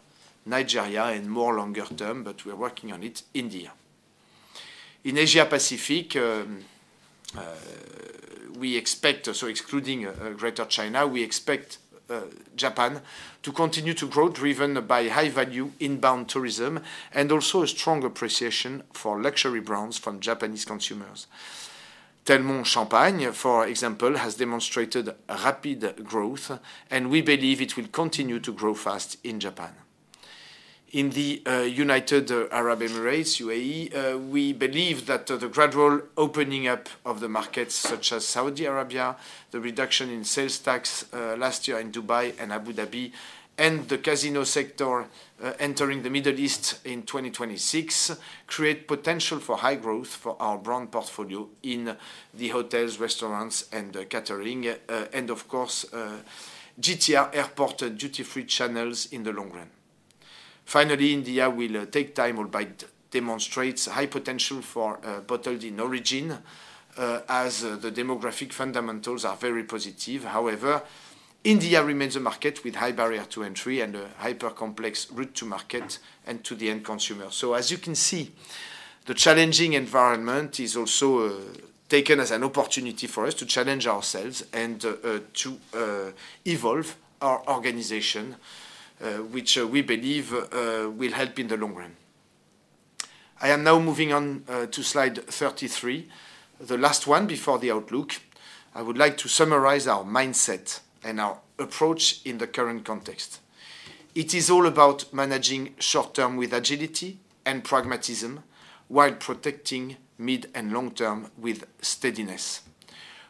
Nigeria, and more longer term, but we're working on it, India. In Asia Pacific, we expect, so excluding Greater China, we expect Japan to continue to grow, driven by high-value inbound tourism and also a strong appreciation for luxury brands from Japanese consumers. Telmont Champagne, for example, has demonstrated rapid growth, and we believe it will continue to grow fast in Japan. In the United Arab Emirates, UAE, we believe that the gradual opening up of the markets, such as Saudi Arabia, the reduction in sales tax last year in Dubai and Abu Dhabi, and the casino sector entering the Middle East in 2026, create potential for high growth for our brand portfolio in the hotels, restaurants, and catering, and of course, GTR airport duty-free channels in the long run. Finally, India will take time, albeit demonstrates high potential for bottled in origin, as the demographic fundamentals are very positive. However, India remains a market with high barrier to entry and a hyper-complex route to market and to the end consumer. As you can see, the challenging environment is also taken as an opportunity for us to challenge ourselves and to evolve our organization, which we believe will help in the long run. I am now moving on to slide 33, the last one before the outlook. I would like to summarize our mindset and our approach in the current context. It is all about managing short term with agility and pragmatism while protecting mid and long term with steadiness.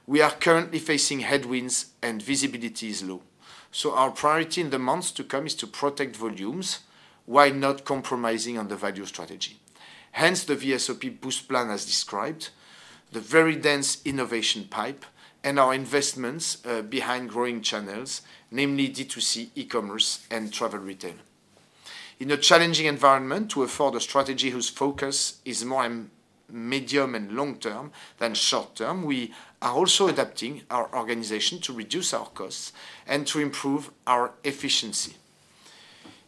We are currently facing headwinds and visibility is low, so our priority in the months to come is to protect volumes while not compromising on the value strategy. Hence, the VSOP boost plan, as described, the very dense innovation pipe and our investments behind growing channels, namely D2C, e-commerce, and travel retail. In a challenging environment, to afford a strategy whose focus is more on medium and long term than short term, we are also adapting our organization to reduce our costs and to improve our efficiency.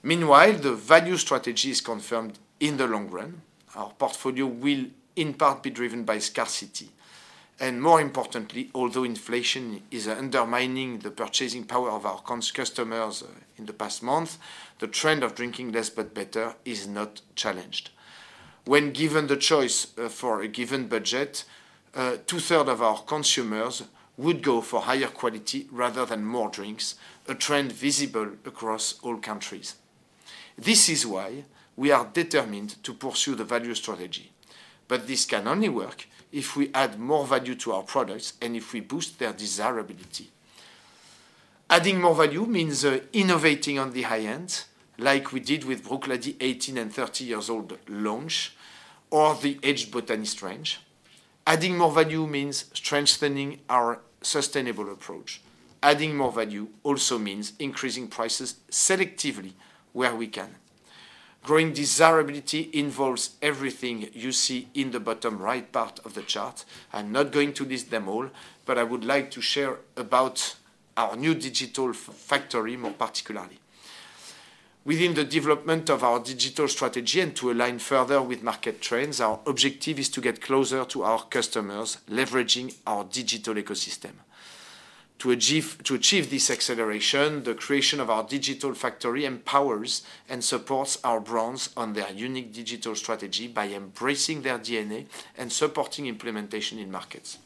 Meanwhile, the value strategy is confirmed in the long run. Our portfolio will, in part, be driven by scarcity, and more importantly, although inflation is undermining the purchasing power of our customers in the past month, the trend of drinking less but better is not challenged. When given the choice, for a given budget, two-thirds of our consumers would go for higher quality rather than more drinks, a trend visible across all countries. This is why we are determined to pursue the value strategy, but this can only work if we add more value to our products and if we boost their desirability. Adding more value means innovating on the high end, like we did with Bruichladdich 18- and 30-year-old launch or the Aged Botanist range. Adding more value means strengthening our sustainable approach. Adding more value also means increasing prices selectively where we can. Growing desirability involves everything you see in the bottom right part of the chart. I'm not going to list them all, but I would like to share about our new Digital Factory, more particularly. Within the development of our digital strategy and to align further with market trends, our objective is to get closer to our customers, leveraging our digital ecosystem. To achieve this acceleration, the creation of our Digital Factory empowers and supports our brands on their unique digital strategy by embracing their DNA and supporting implementation in markets.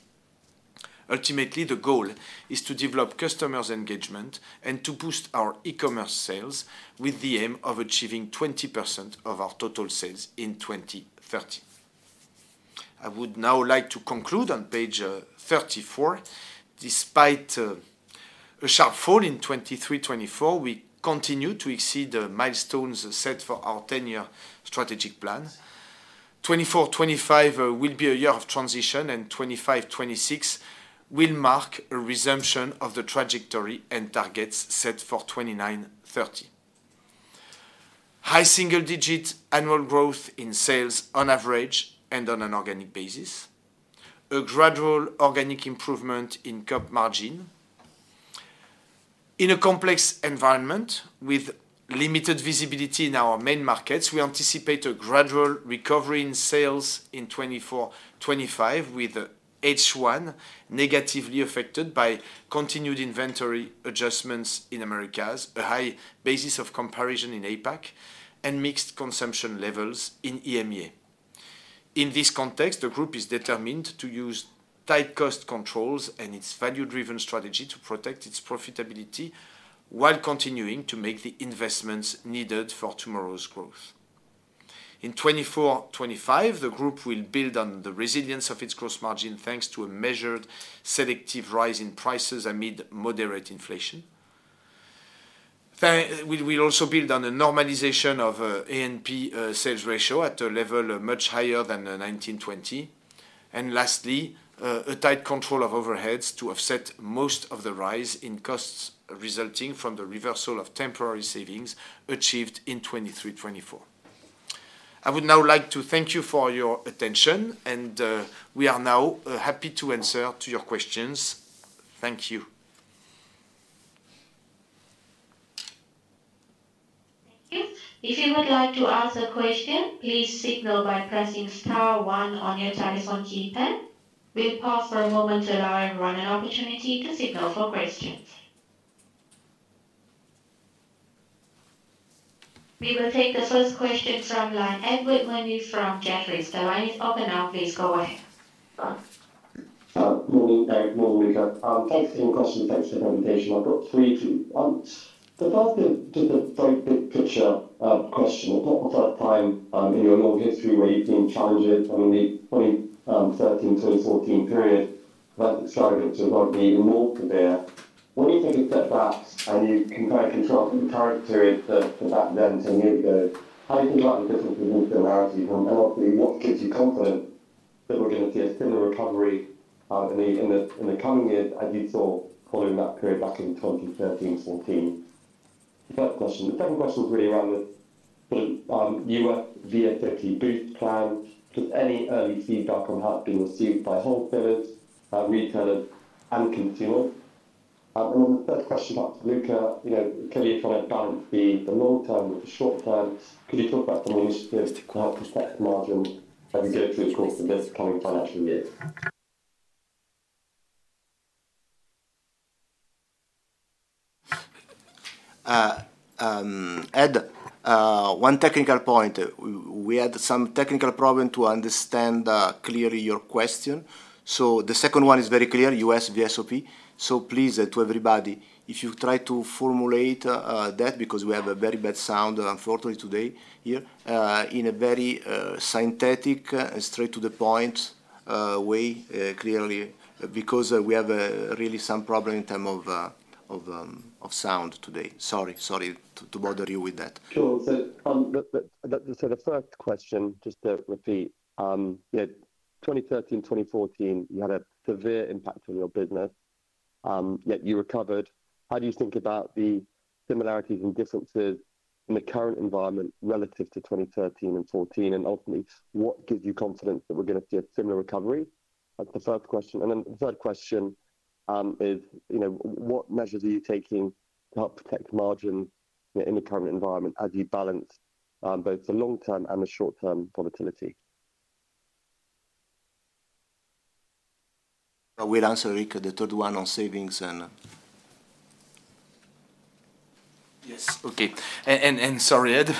Ultimately, the goal is to develop customers' engagement and to boost our e-commerce sales with the aim of achieving 20% of our total sales in 2030. I would now like to conclude on page 34. Despite a sharp fall in 2023-2024, we continue to exceed the milestones set for our ten-year strategic plan. 2024-2025 will be a year of transition, and 2025-2026 will mark a resumption of the trajectory and targets set for 2029-2030. High single-digit annual growth in sales on average and on an organic basis. A gradual organic improvement in GOP margin. In a complex environment with limited visibility in our main markets, we anticipate a gradual recovery in sales in 2024-2025, with H1 negatively affected by continued inventory adjustments in Americas, a high basis of comparison in APAC, and mixed consumption levels in EMEA. In this context, the group is determined to use tight cost controls and its value-driven strategy to protect its profitability while continuing to make the investments needed for tomorrow's growth. In 2024, 2025, the group will build on the resilience of its gross margin, thanks to a measured, selective rise in prices amid moderate inflation. We will also build on a normalization of A&P sales ratio at a level much higher than 2019, 2020. And lastly, a tight control of overheads to offset most of the rise in costs resulting from the reversal of temporary savings achieved in 2023, 2024. I would now like to thank you for your attention, and we are now happy to answer to your questions. Thank you. Thank you. If you would like to ask a question, please signal by pressing star one on your telephone keypad. We'll pause for a moment to allow everyone an opportunity to signal for questions.... We will take the first question from line Edward Mundy from Jefferies. The line is open now, please go ahead. Morning, Ed. Morning, Luca. Thanks for your questions and thanks for the presentation. I've got three for you. The first is just a very big picture question. What was that time in your long history where you've been challenged? I mean, the 2013, 2014 period that struggled to involve the more severe. When you take a step back and you can kind of control the current period to back then, ten years ago, how do you think about the differences and similarities? And obviously, what gives you confidence that we're gonna see a similar recovery in the coming years, as you saw following that period back in 2013, 2014? The third question. The third question was really around the, sort of, U.S. VSOP boost plan. Just any early feedback on how it's been received by wholesalers, retailers, and consumers. And then the third question about Luca, you know, clearly you try to balance the long term with the short term. Could you talk about some initiatives to help protect the margin as we go through the course of this coming financial year? Ed, one technical point. We had some technical problem to understand clearly your question. So the second one is very clear, US VSOP. So please, to everybody, if you try to formulate that, because we have a very bad sound, unfortunately, today here, in a very synthetic and straight to the point way, clearly, because we have really some problem in terms of sound today. Sorry to bother you with that. Sure. So, the first question, just to repeat, yeah, 2013, 2014, you had a severe impact on your business, yet you recovered. How do you think about the similarities and differences in the current environment relative to 2013 and 2014? And ultimately, what gives you confidence that we're gonna see a similar recovery? That's the first question. And then the third question, is, you know, what measures are you taking to help protect margin in the current environment as you balance, both the long-term and the short-term profitability? I will answer, Luca, the third one on savings and... Yes. Okay. And, and, sorry, Ed.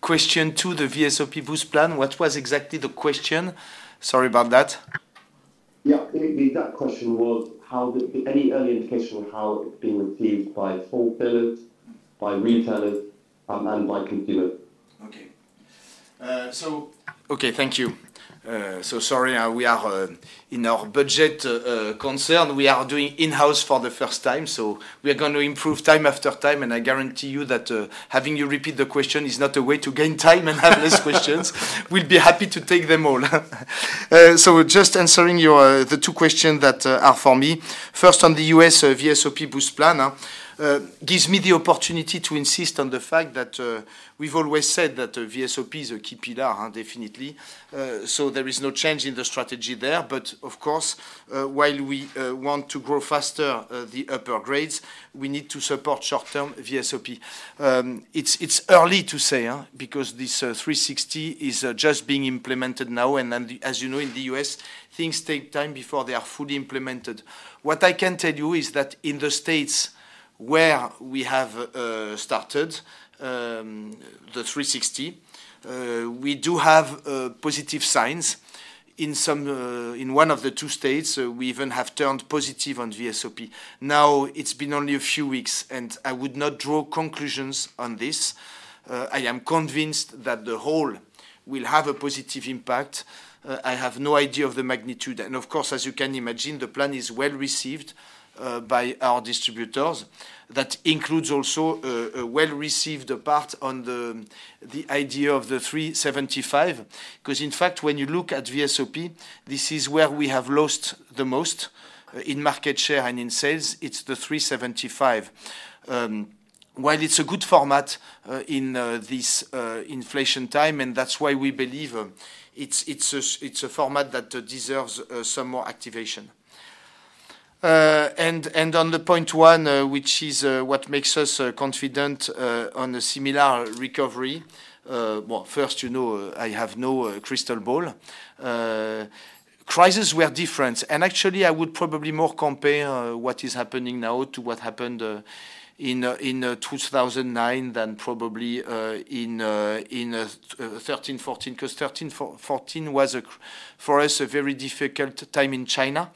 Question two, the VSOP boost plan. What was exactly the question? Sorry about that. Yeah, the, that question was, how did... Any early indication on how it's being received by wholesalers, by retailers, and by consumers? Okay. So, okay, thank you. So sorry, we are in our budget concern. We are doing in-house for the first time, so we are going to improve time after time, and I guarantee you that having you repeat the question is not a way to gain time and have less questions. We'll be happy to take them all. So just answering your the two questions that are for me. First, on the U.S. VSOP boost plan gives me the opportunity to insist on the fact that we've always said that the VSOP is a key pillar, definitely. So there is no change in the strategy there. But of course, while we want to grow faster the upper grades, we need to support short-term VSOP. It's early to say, because this 360 is just being implemented now, and then, as you know, in the U.S., things take time before they are fully implemented. What I can tell you is that in the states where we have started the 360, we do have positive signs. In one of the two states, we even have turned positive on VSOP. Now, it's been only a few weeks, and I would not draw conclusions on this. I am convinced that the whole will have a positive impact. I have no idea of the magnitude, and of course, as you can imagine, the plan is well received by our distributors. That includes also a well-received part on the idea of the 375. Cause in fact, when you look at VSOP, this is where we have lost the most in market share and in sales. It's the 375. While it's a good format in this inflation time, and that's why we believe it's a format that deserves some more activation. And on the point one, which is what makes us confident on a similar recovery, well, first, you know, I have no crystal ball. Crisis were different, and actually, I would probably more compare what is happening now to what happened in 2009 than probably in 2013, 2014, cause 2013, 2014 was for us a very difficult time in China.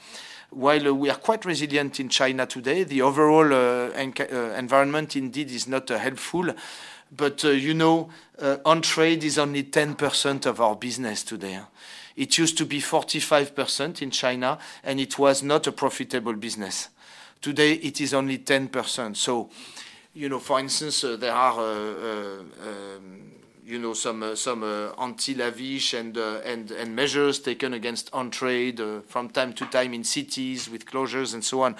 While we are quite resilient in China today, the overall environment indeed is not helpful. But, you know, on-trade is only 10% of our business today. It used to be 45% in China, and it was not a profitable business. Today, it is only 10%. So, you know, for instance, there are, you know, some anti-lavish and measures taken against on-trade from time to time in cities with closures and so on.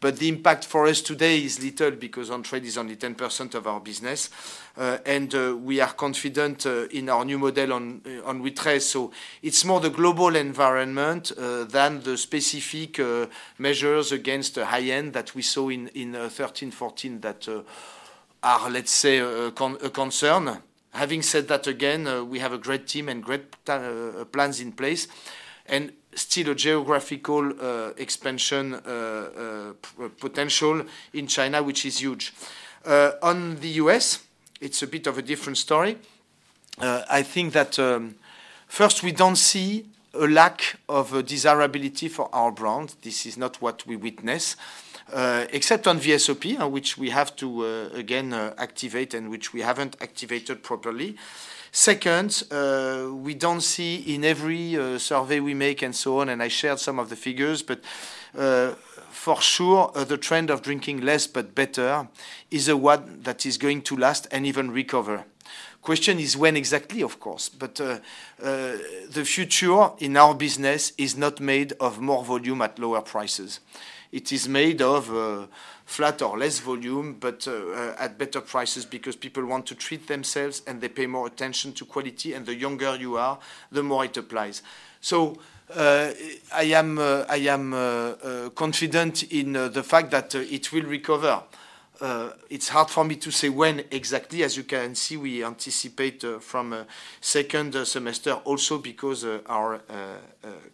But the impact for us today is little because on-trade is only 10% of our business, and we are confident in our new model on-trade. So it's more the global environment than the specific measures against the high-end that we saw in 2013, 2014, that are, let's say, a concern. Having said that, again, we have a great team and great plans in place, and still a geographical expansion potential in China, which is huge. On the U.S., it's a bit of a different story. I think that first, we don't see a lack of desirability for our brand. This is not what we witness, except on VSOP, on which we have to again activate, and which we haven't activated properly. Second, we don't see in every survey we make and so on, and I shared some of the figures, but, for sure, the trend of drinking less but better is the one that is going to last and even recover. Question is when exactly, of course, but, the future in our business is not made of more volume at lower prices. It is made of, flat or less volume, but, at better prices, because people want to treat themselves, and they pay more attention to quality, and the younger you are, the more it applies. So, I am, I am, confident in, the fact that, it will recover. It's hard for me to say when exactly. As you can see, we anticipate from second semester also because our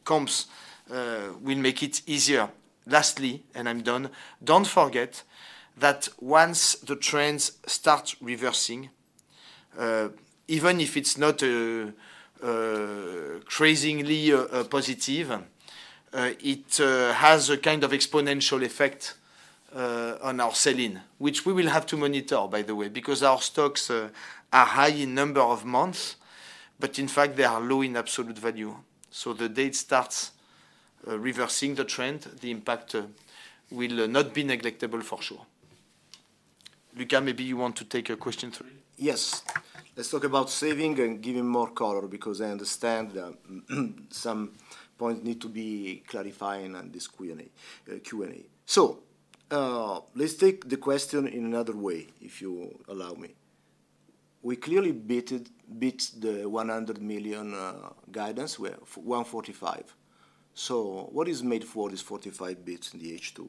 comps will make it easier. Lastly, and I'm done, don't forget that once the trends start reversing, even if it's not crazily positive, it has a kind of exponential effect on our selling, which we will have to monitor, by the way, because our stocks are high in number of months, but in fact, they are low in absolute value. So the data starts reversing the trend, the impact will not be neglectable for sure. Luca, maybe you want to take a question three? Yes. Let's talk about saving and giving more color, because I understand some points need to be clarified in this Q&A. So, let's take the question in another way, if you allow me. We clearly beat the 100 million guidance, we're at 145. So what makes up this 45 beat in the H2?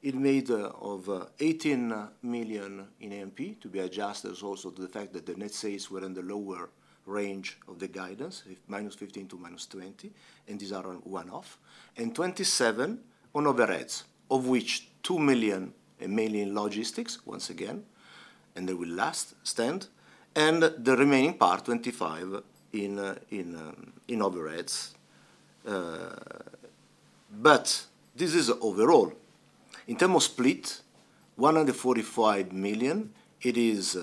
It made up of 18 million in AMP to be adjusted also to the fact that the net sales were in the lower range of the guidance, -15 million to -20 million, and these are a one-off, and 27 on overheads, of which 2 million, mainly in logistics, once again, and they will not last, and the remaining part, 25, in overheads. But this is overall. In terms of split, 145 million, it is,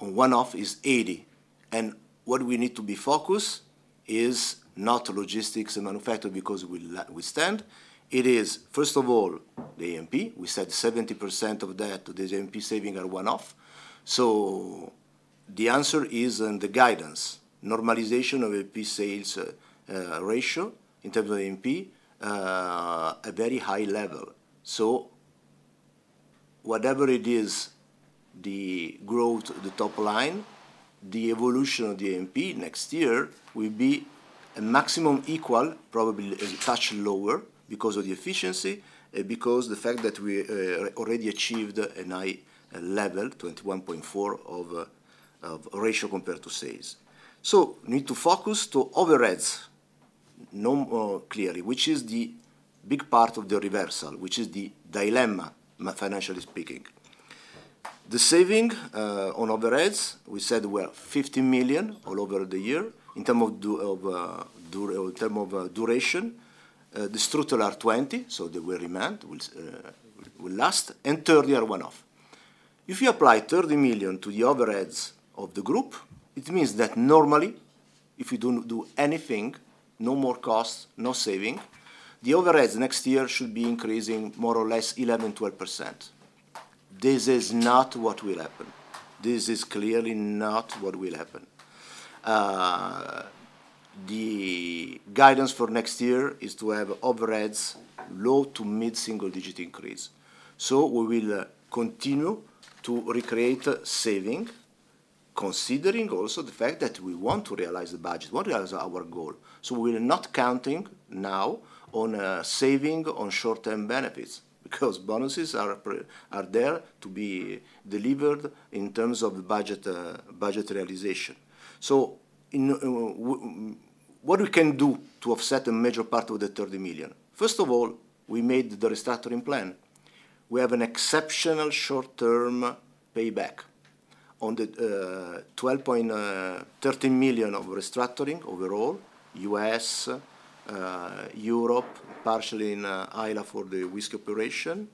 on one-off, is 80 million, and what we need to be focused is not logistics and manufacturing because we stand. It is, first of all, the AMP. We said 70% of that, the AMP savings are one-off. So the answer is in the guidance, normalization of AMP/sales ratio in terms of AMP, a very high level. So whatever it is, the growth, the top line, the evolution of the AMP next year will be a maximum equal, probably a touch lower, because of the efficiency, because the fact that we already achieved a high level, 21.4%, of ratio compared to sales. So need to focus to overheads, no, clearly, which is the big part of the reversal, which is the dilemma, financially speaking. The savings on overheads, we said were 50 million all over the year. In terms of duration, the structural are 20 million, so they will remain, will last, and 30 million are one-off. If you apply 30 million to the overheads of the group, it means that normally, if you don't do anything, no more costs, no savings, the overheads next year should be increasing more or less 11%-12%. This is not what will happen. This is clearly not what will happen. The guidance for next year is to have overheads low- to mid-single-digit increase. So we will continue to recreate savings, considering also the fact that we want to realize the budget, want to realize our goal. So we're not counting now on saving on short-term benefits, because bonuses are there to be delivered in terms of budget realization. So, what we can do to offset a major part of the 30 million? First of all, we made the restructuring plan. We have an exceptional short-term payback on the 12-13 million of restructuring overall, US, Europe, partially in Ireland for the whiskey operation.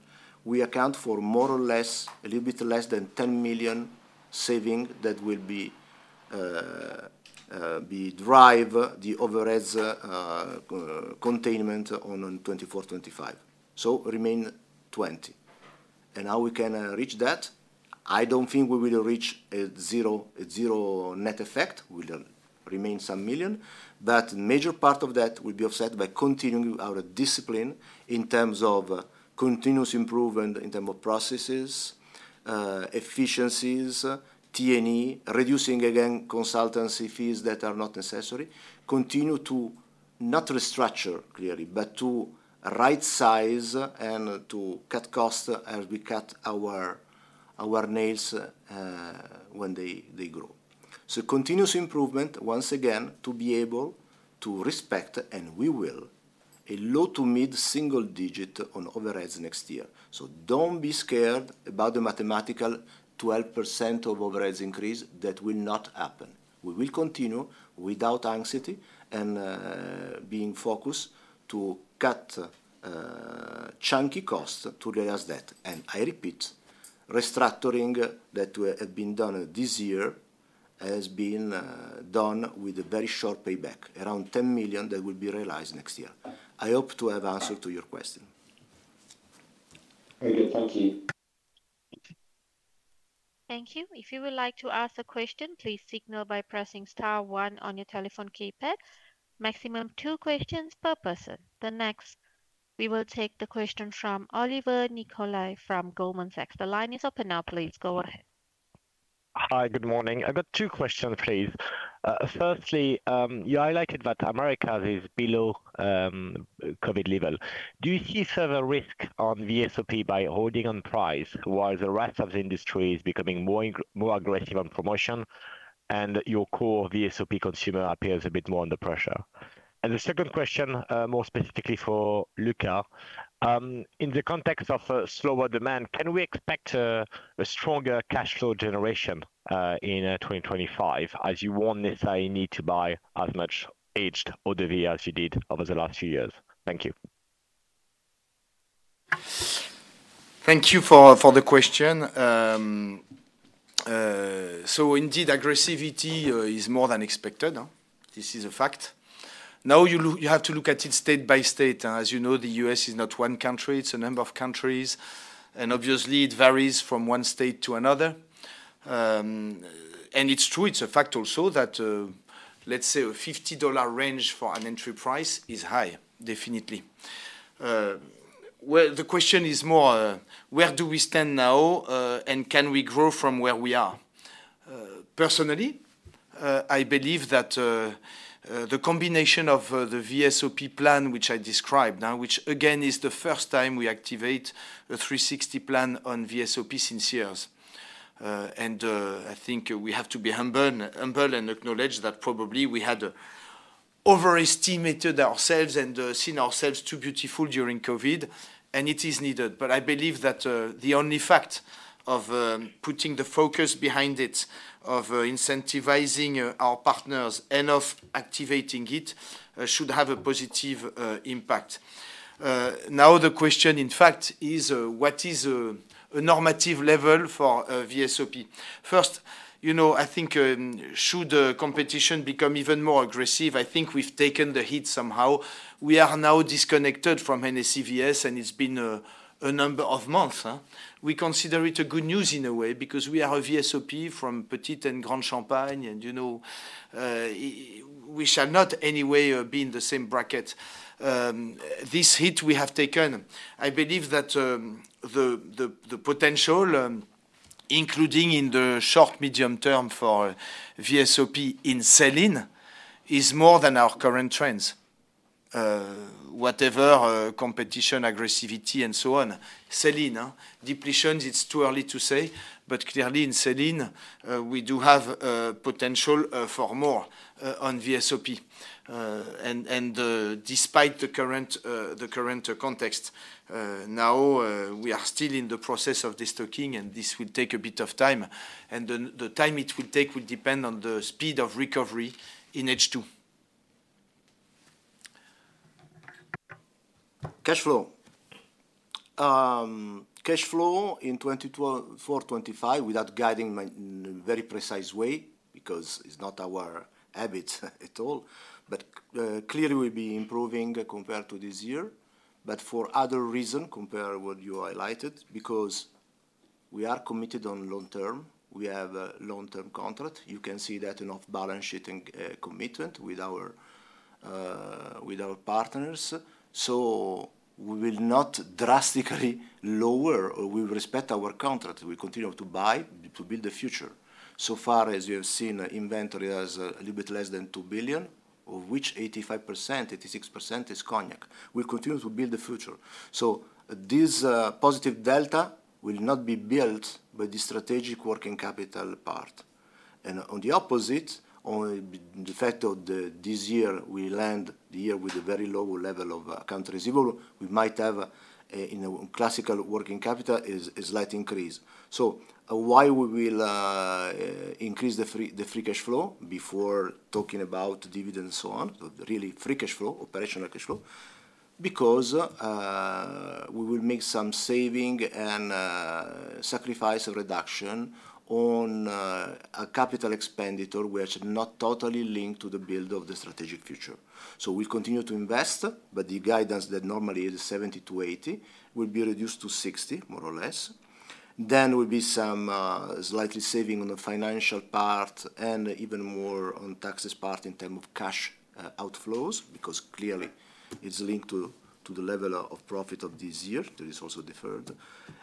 We account for more or less a little bit less than 10 million saving that will be be drive the overheads containment on 2024, 2025. So remain 20 million. And how we can reach that? I don't think we will reach a zero net effect. We will remain some million, but major part of that will be offset by continuing our discipline in terms of continuous improvement, in terms of processes, efficiencies, T&E, reducing, again, consultancy fees that are not necessary, continue to not restructure, clearly, but to rightsize and to cut costs as we cut our, our nails, when they, they grow. So continuous improvement, once again, to be able to respect, and we will a low- to mid-single-digit on overheads next year. So don't be scared about the mathematical 12% of overheads increase. That will not happen. We will continue without anxiety and, being focused to cut, chunky costs to realize that. And I repeat, restructuring that was had been done this year has been, done with a very short payback, around 10 million that will be realized next year. I hope to have answered to your question. Very good. Thank you. Thank you. If you would like to ask a question, please signal by pressing star one on your telephone keypad. Maximum two questions per person. The next, we will take the question from Olivier Nicolai from Goldman Sachs. The line is open now. Please go ahead. Hi, good morning. I've got two questions, please. Firstly, you highlighted that Americas is below COVID level. Do you see some risk on VSOP by holding on price, while the rest of the industry is becoming more aggressive on promotion, and your core VSOP consumer appears a bit more under pressure? And the second question, more specifically for Luca, in the context of slower demand, can we expect a stronger cash flow generation in 2025, as you won't necessarily need to buy as much aged eau-de-vie as you did over the last few years? Thank you. Thank you for the question. So indeed, aggressivity is more than expected, huh? This is a fact. Now, you have to look at it state by state. As you know, the U.S. is not one country, it's a number of countries, and obviously it varies from one state to another. And it's true, it's a fact also that, let's say a $50 range for an entry price is high, definitely. Well, the question is more, where do we stand now, and can we grow from where we are? Personally, I believe that, the combination of, the VSOP plan, which I described, now, which again, is the first time we activate a 360 plan on VSOP since years. I think we have to be humble and acknowledge that probably we had overestimated ourselves and seen ourselves too beautiful during COVID, and it is needed. But I believe that the only fact of putting the focus behind it, of incentivizing our partners and of activating it should have a positive impact. Now, the question, in fact, is what is a normative level for VSOP? First, you know, I think should competition become even more aggressive, I think we've taken the hit somehow. We are now disconnected from NSCVS, and it's been a number of months, huh? We consider it a good news in a way, because we are a VSOP from Petite and Grande Champagne, and, you know, we shall not any way be in the same bracket. This hit we have taken, I believe that, the, the, the potential, including in the short, medium term for VSOP in selling, is more than our current trends, whatever competition, aggressivity, and so on. Selling, huh? Depletions, it's too early to say, but clearly in selling, we do have potential for more on VSOP. And, and, despite the current, the current context, now, we are still in the process of destocking, and this will take a bit of time, and the, the time it will take will depend on the speed of recovery in H2. Cash flow. Cash flow in 2024-25, without guiding me, in a very precise way, because it's not our habit at all, but clearly will be improving compared to this year. But for other reason, compare what you highlighted, because we are committed on long term. We have a long-term contract. You can see that in off-balance sheet commitment with our partners. So we will not drastically lower. We respect our contract. We continue to buy, to build the future. So far, as you have seen, inventory has a little bit less than 2 billion, of which 85%, 86% is cognac. We continue to build the future. So this positive delta will not be built by the strategic working capital part. On the opposite, in fact, this year, we end the year with a very low level of accounts receivable, we might have, in a classical working capital, a slight increase. So we will increase the free cash flow before talking about dividend and so on, really free cash flow, operational cash flow. Because we will make some saving and see a reduction on a capital expenditure, which is not totally linked to the build of the strategic future. So we continue to invest, but the guidance that normally is 70-80 will be reduced to 60, more or less. Then there will be some slight savings on the financial part and even more on the taxes part in terms of cash outflows, because clearly it's linked to the level of profit of this year, that is also deferred,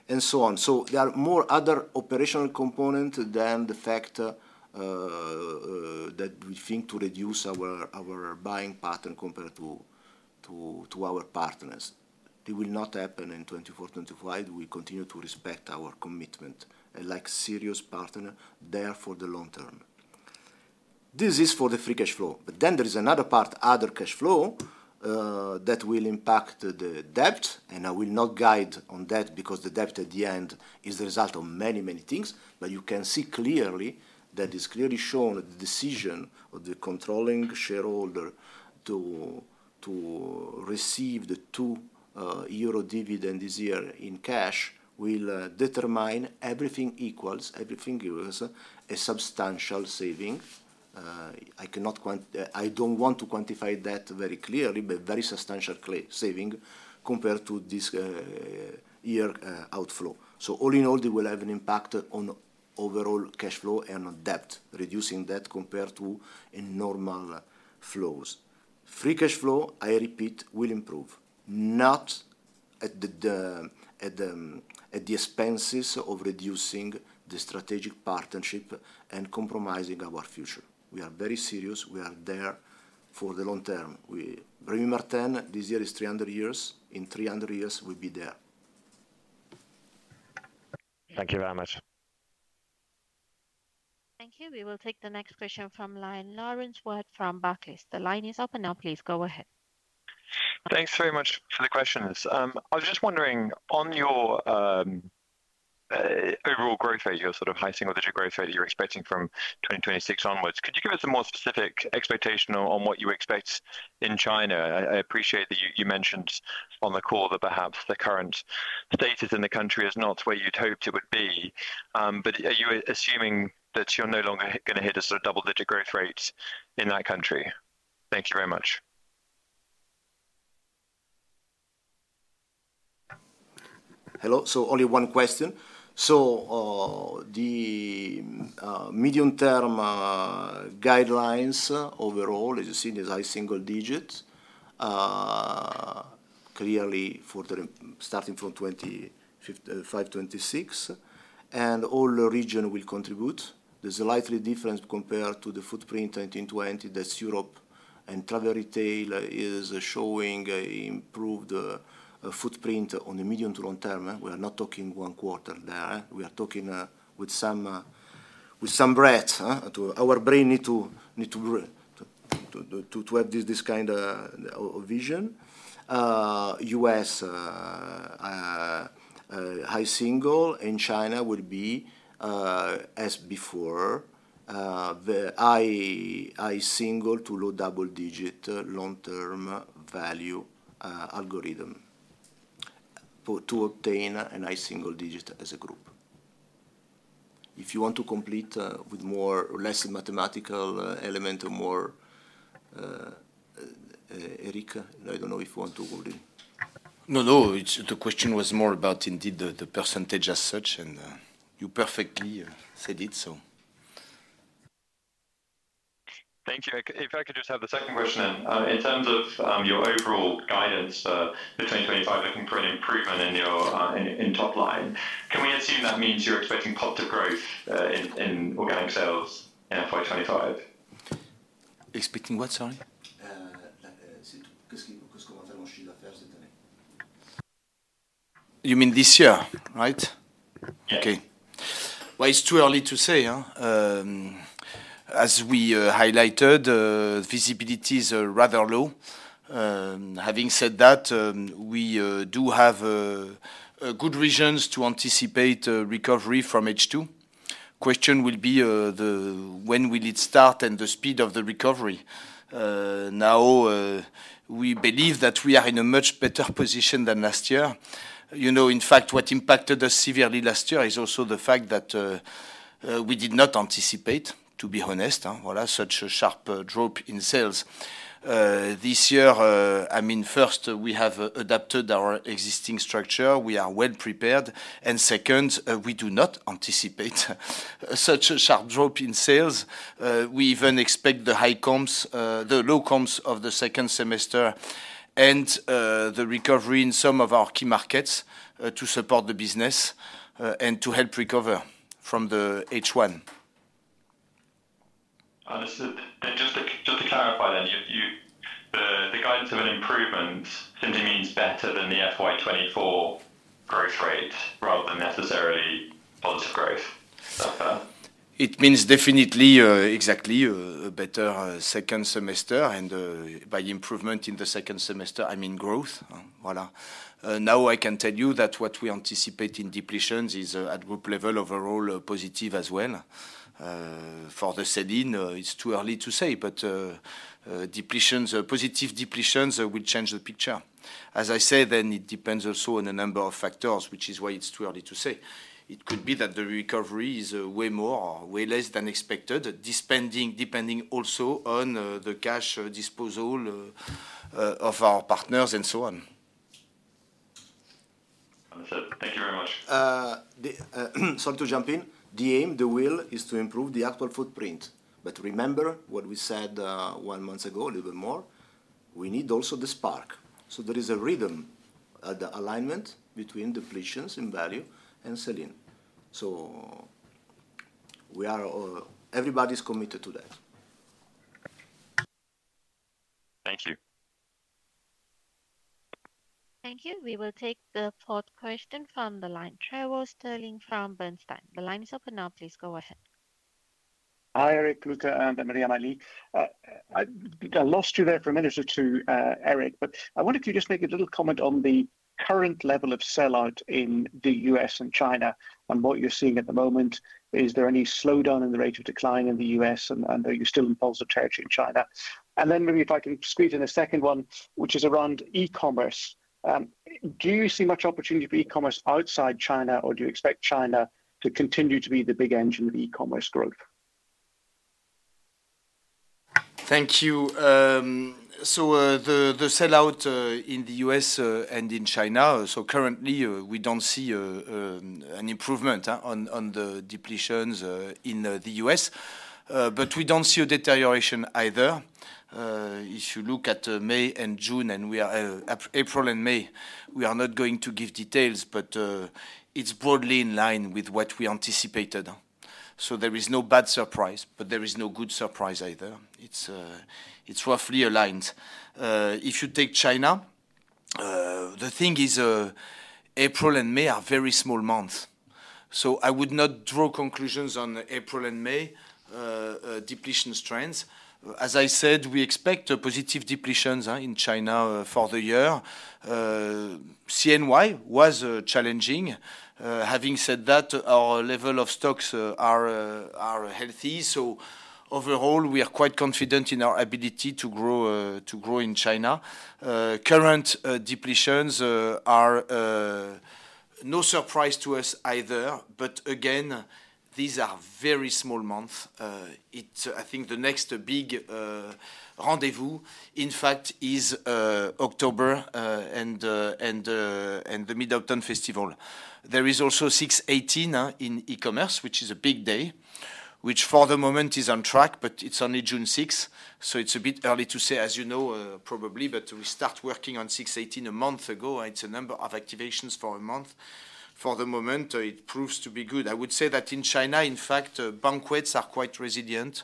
and so on. So there are more other operational components than the fact that we think to reduce our buying pattern compared to our partners. It will not happen in 2024, 2025. We continue to respect our commitment, and like serious partner, there for the long term. This is for the free cash flow. But then there is another part, other cash flow, that will impact the debt, and I will not guide on debt because the debt at the end is the result of many, many things. But you can see clearly, that is clearly shown that the decision of the controlling shareholder to receive the 2 euro dividend this year in cash will determine everything equals, everything equals a substantial saving. I cannot I don't want to quantify that very clearly, but very substantial saving compared to this year outflow. So all in all, it will have an impact on overall cash flow and on debt, reducing debt compared to in normal flows. Free cash flow, I repeat, will improve. Not at the expenses of reducing the strategic partnership and compromising our future. We are very serious. We are there for the long term. We Rémy Martin, this year is 300 years. In 300 years, we'll be there. Thank you very much. Thank you. We will take the next question from line, Laurence Whyatt from Barclays. The line is open now. Please go ahead. Thanks very much for the questions. I was just wondering, on your overall growth rate, your sort of high single-digit growth rate you're expecting from 2026 onwards, could you give us a more specific expectation on what you expect in China? I appreciate that you mentioned on the call that perhaps the current status in the country is not where you'd hoped it would be, but are you assuming that you're no longer gonna hit a sort of double-digit growth rate in that country? Thank you very much. Hello. Only one question. The medium-term guidelines overall, as you see, there's high single digits. Clearly for the starting from 2025-2026, and all the region will contribute. There's a slight difference compared to the footprint in 2020, that's Europe and Travel Retail is showing a improved footprint on the medium- to long-term. We are not talking one quarter there, we are talking with some breath, huh? Our brain need to need to breathe, to to to to have this this kind of of vision. US high single, and China will be as before the high high single- to low double-digit long-term value algorithm for to obtain a high single digit as a group. If you want to complete with more or less mathematical element or more, Eric, I don't know if you want to go in. No, no, it's the question was more about indeed the percentage as such, and you perfectly said it, so. Thank you. Céline, if I could just have the second question then. In terms of your overall guidance for 2025, looking for an improvement in your top line, can we assume that means you're expecting positive growth in organic sales in FY 2025? Expecting what, sorry? Uh, You mean this year, right? Okay. Well, it's too early to say. As we highlighted, visibilities are rather low. Having said that, we do have a good reasons to anticipate a recovery from H2. The question will be when it will start and the speed of the recovery. Now, we believe that we are in a much better position than last year. You know, in fact, what impacted us severely last year is also the fact that we did not anticipate, to be honest, well, such a sharp drop in sales. This year, I mean, first, we have adapted our existing structure. We are well prepared. And second, we do not anticipate such a sharp drop in sales. We even expect the high comps, the low comps of the second semester and, the recovery in some of our key markets, to support the business, and to help recover from the H1. Understood. And just to clarify then, you... The guidance of an improvement simply means better than the FY 2024 growth rate, rather than necessarily positive growth, is that fair? It means definitely exactly a better second semester, and by improvement in the second semester, I mean growth, huh. Voilà. Now I can tell you that what we anticipate in depletions is at group level, overall positive as well. For the sell-in, it's too early to say, but depletions, positive depletions will change the picture. As I said, then it depends also on a number of factors, which is why it's too early to say. It could be that the recovery is way more or way less than expected, depending also on the cash disposal of our partners and so on. Understood. Thank you very much. Sorry to jump in. The aim, the will, is to improve the actual footprint. But remember what we said one month ago, a little bit more, we need also the spark. So there is a rhythm, the alignment between depletions in value and selling. So we are all... Everybody is committed to that. Thank you. ... Thank you. We will take the fourth question from the line, Trevor Stirling from Bernstein. The line is open now. Please go ahead. Hi, Eric, Luca, and Marie-Amélie. I lost you there for a minute or two, Eric, but I wondered if you could just make a little comment on the current level of sell-out in the US and China, and what you're seeing at the moment. Is there any slowdown in the rate of decline in the US, and are you still in positive territory in China? And then maybe if I can squeeze in a second one, which is around e-commerce. Do you see much opportunity for e-commerce outside China, or do you expect China to continue to be the big engine of e-commerce growth? Thank you. So, the sell-out in the US and in China, so currently, we don't see an improvement on the depletions in the US. But we don't see a deterioration either. If you look at April and May, we are not going to give details, but it's broadly in line with what we anticipated. So there is no bad surprise, but there is no good surprise either. It's roughly aligned. If you take China, the thing is, April and May are very small months, so I would not draw conclusions on April and May depletion trends. As I said, we expect a positive depletions in China for the year. CNY was challenging. Having said that, our level of stocks are healthy, so overall, we are quite confident in our ability to grow in China. Current depletions are no surprise to us either, but again, these are very small months. I think the next big rendezvous, in fact, is October and the Mid-Autumn Festival. There is also 618 in e-commerce, which is a big day, which for the moment is on track, but it's only June sixth, so it's a bit early to say, as you know, probably, but we start working on 618 a month ago, and it's a number of activations for a month. For the moment, it proves to be good. I would say that in China, in fact, banquets are quite resilient.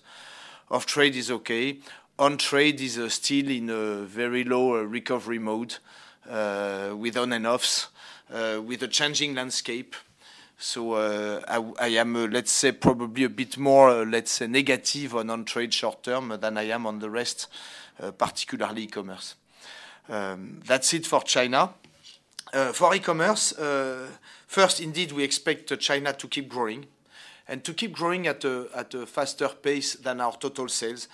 Off-trade is okay. On-trade is still in a very low recovery mode, with ups and downs, with a changing landscape. So, I am, let's say, probably a bit more, let's say, negative on On-trade short term than I am on the rest, particularly e-commerce. That's it for China. For e-commerce, first, indeed, we expect China to keep growing and to keep growing at a faster pace than our total sales.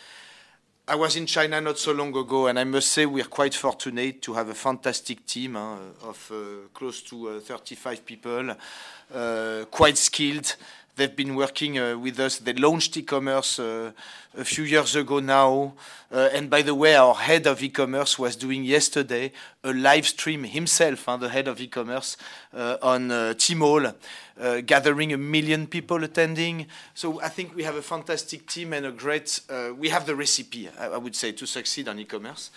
I was in China not so long ago, and I must say we are quite fortunate to have a fantastic team of close to 35 people, quite skilled. They've been working with us. They launched e-commerce a few years ago now. And by the way, our head of e-commerce was doing yesterday a live stream himself, the head of e-commerce, on Tmall, gathering 1 million people attending. So I think we have a fantastic team and a great... We have the recipe, I, I would say, to succeed on e-commerce.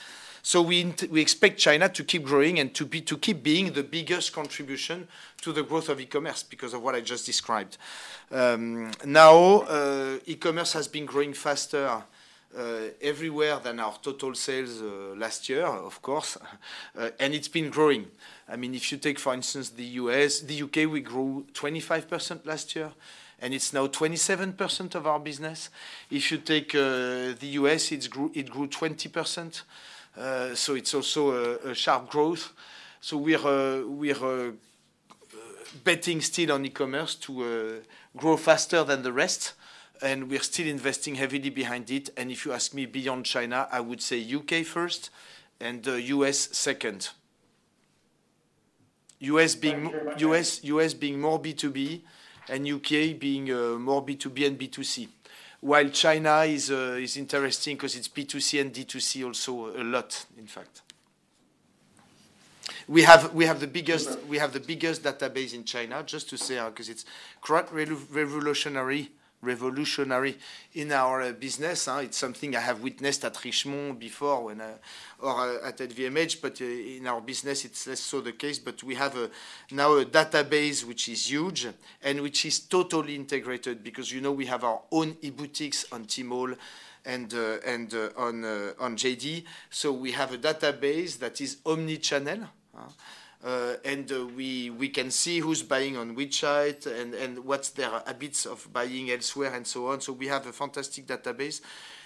So we expect China to keep growing and to be, to keep being the biggest contribution to the growth of e-commerce because of what I just described. Now, e-commerce has been growing faster everywhere than our total sales last year, of course, and it's been growing. I mean, if you take, for instance, the U.S., the U.K., we grew 25% last year, and it's now 27% of our business. If you take the US, it grew, it grew 20%, so it's also a sharp growth. So we are betting still on e-commerce to grow faster than the rest, and we are still investing heavily behind it. And if you ask me beyond China, I would say UK first and US second. US being- Sorry, what was that? U.S., U.S. being more B2B and U.K. being more B2B and B2C, while China is interesting 'cause it's B2C and D2C also a lot, in fact. We have the biggest database in China, just to say, 'cause it's quite revolutionary in our business. It's something I have witnessed at Richemont before, or at LVMH, but in our business it's less so the case. But we have now a database which is huge and which is totally integrated because, you know, we have our own e-boutiques on Tmall and on JD. So we have a database that is omni-channel, and we can see who's buying on which site and what's their habits of buying elsewhere and so on. We have a fantastic database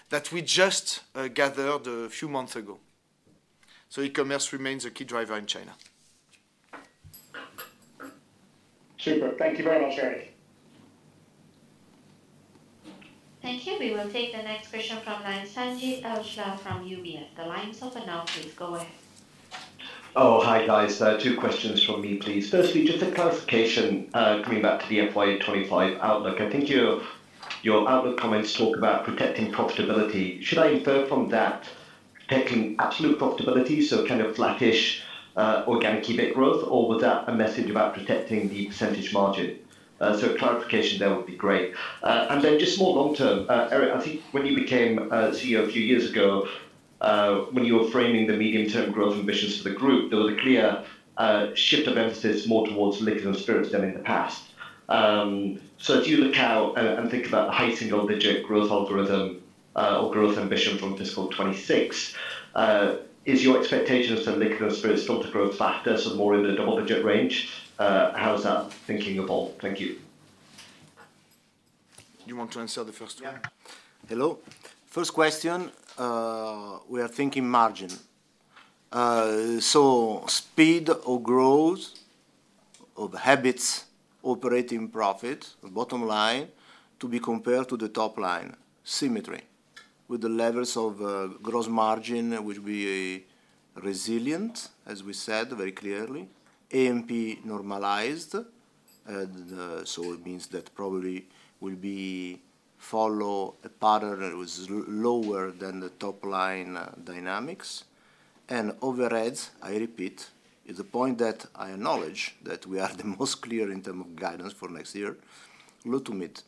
that we just gathered a few months ago. E-commerce remains a key driver in China. Super. Thank you very much, Eric. Thank you. We will take the next question from the line, Sanjeet Aujla from UBS. The line is open now. Please go ahead. Oh, hi, guys. Two questions from me, please. Firstly, just a clarification, coming back to the FY 25 outlook. I think your, your outlook comments talk about protecting profitability. Should I infer from that protecting absolute profitability, so kind of flattish, organic EBIT growth, or was that a message about protecting the percentage margin? So clarification there would be great. And then just more long term, Eric, I think when you became CEO a few years ago, when you were framing the medium-term growth ambitions for the group, there was a clear shift of emphasis more towards liquor and spirits than in the past. So as you look out and, and think about the high single-digit growth algorithm-... or growth ambition from fiscal 26. Is your expectations on liquors and spirits still to grow faster, so more in the double-digit range? How has that thinking evolved? Thank you. You want to answer the first one? Yeah. Hello. First question, we are thinking margin. So speed or growth of habits, operating profit, the bottom line, to be compared to the top line, symmetry, with the levels of gross margin will be resilient, as we said very clearly. AMP normalized, and so it means that probably will be follow a pattern that was lower than the top line dynamics. And overheads, I repeat, is the point that I acknowledge that we are the most clear in term of guidance for next year, low to mid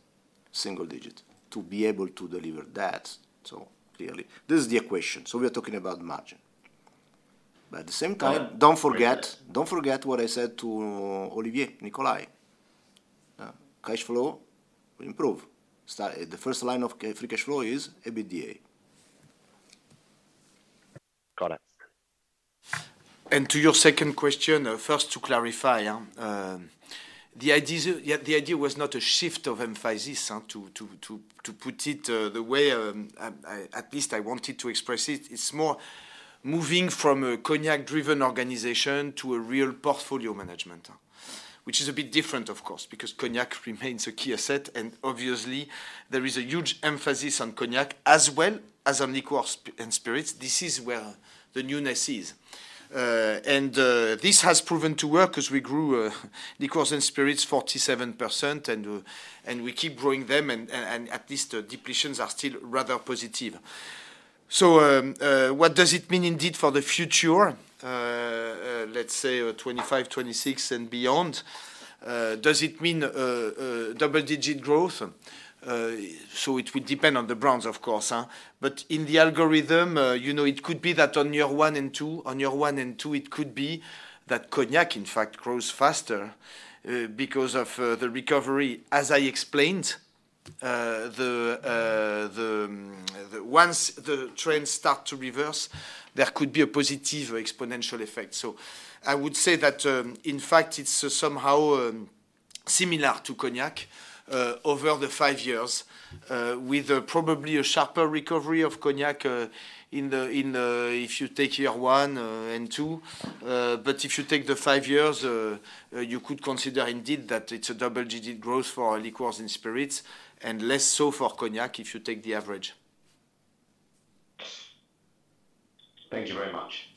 single digit, to be able to deliver that so clearly. This is the equation, so we are talking about margin. But at the same time, don't forget, don't forget what I said to Olivier Nicolai. Cash flow will improve. The first line of free cash flow is EBITDA. Got it. To your second question, first, to clarify, the idea was not a shift of emphasis, to put it the way, at least I wanted to express it. It's more moving from a cognac-driven organization to a real portfolio management, which is a bit different, of course, because cognac remains a key asset, and obviously, there is a huge emphasis on cognac as well as on liquors and spirits. This is where the newness is. And this has proven to work as we grew liquors and spirits 47%, and we keep growing them, and at least the depletions are still rather positive. So, what does it mean indeed for the future? Let's say 25, 26, and beyond. Does it mean double-digit growth? So it will depend on the brands, of course, huh? But in the algorithm, you know, it could be that on year 1 and 2, it could be that cognac, in fact, grows faster, because of the recovery. As I explained, the once the trends start to reverse, there could be a positive or exponential effect. So I would say that, in fact, it's somehow similar to cognac over the 5 years, with probably a sharper recovery of cognac, in the, in, if you take year 1 and 2. But if you take the 5 years, you could consider indeed that it's a double-digit growth for our liquors and spirits, and less so for cognac, if you take the average. Thank you very much.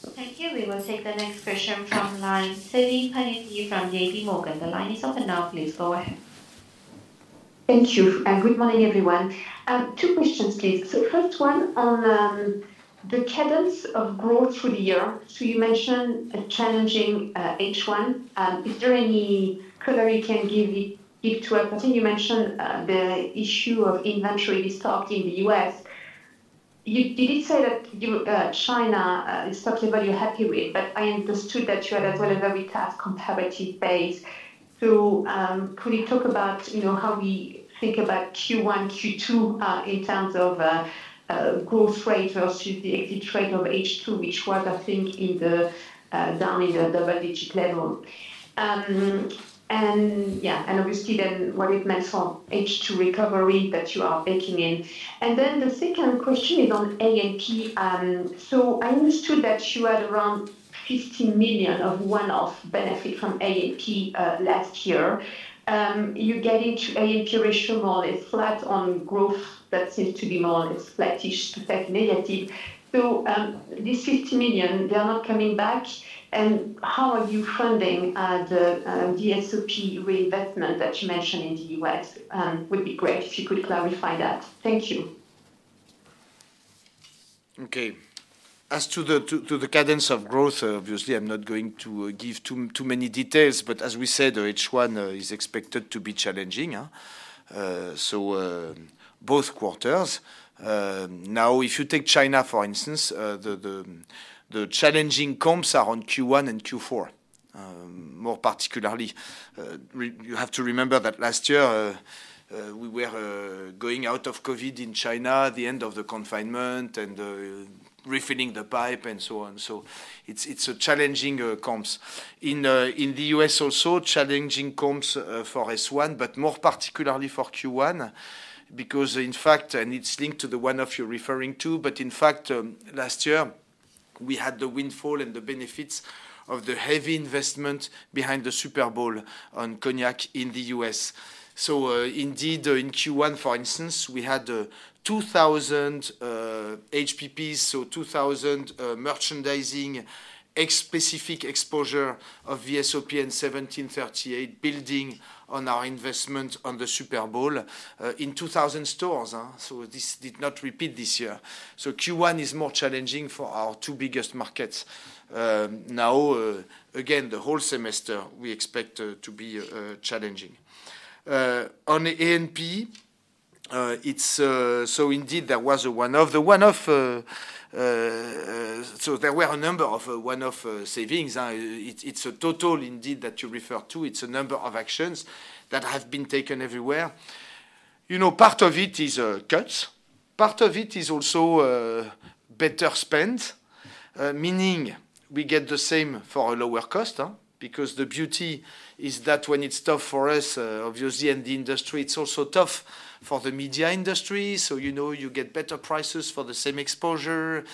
Thank you. We will take the next question from the line. Céline Pannuti from J.P. Morgan. The line is open now, please go ahead. Thank you, and good morning, everyone. Two questions, please. First one on the cadence of growth through the year. You mentioned a challenging H1. Is there any color you can give me, give to us? I think you mentioned the issue of inventory restocked in the US. China is something that you're happy with, but I understood that you had as well a very tough comparative base. Could you talk about, you know, how we think about Q1, Q2 in terms of growth rate versus the exit rate of H2, which was, I think, down in the double-digit level? And yeah, and obviously then, what it meant for H2 recovery that you are baking in. And then the second question is on AMP. So I understood that you had around EUR 50 million of one-off benefit from AMP last year. You get into AMP rational, it's flat on growth, but seems to be more it's flattish, in fact negative. So, this 50 million, they are not coming back? And how are you funding the SOP reinvestment that you mentioned in the U.S.? Would be great if you could clarify that. Thank you. Okay. As to the cadence of growth, obviously, I'm not going to give too many details, but as we said, H1 is expected to be challenging. So both quarters. Now, if you take China, for instance, the challenging comps are on Q1 and Q4. More particularly, you have to remember that last year we were going out of COVID in China, the end of the confinement and refilling the pipe and so on. So it's a challenging comps. In the US also, challenging comps for S1, but more particularly for Q1, because in fact, and it's linked to the one you're referring to, but in fact, last year, we had the windfall and the benefits of the heavy investment behind the Super Bowl on cognac in the US. So, indeed, in Q1, for instance, we had 2000 HPPs, so 2000 merchandising ex-specific exposure of the VSOP in 1738, building on our investment on the Super Bowl in 2000 stores. So this did not repeat this year. So Q1 is more challenging for our two biggest markets. Now, again, the whole semester, we expect to be challenging. On the AMP- it's so indeed, there was a one-off. The one-off, so there were a number of one-off savings. It's a total indeed, that you refer to. It's a number of actions that have been taken everywhere. You know, part of it is cuts. Part of it is also better spend, meaning we get the same for a lower cost, huh? Because the beauty is that when it's tough for us, obviously, in the industry, it's also tough for the media industry. So, you know, you get better prices for the same exposure.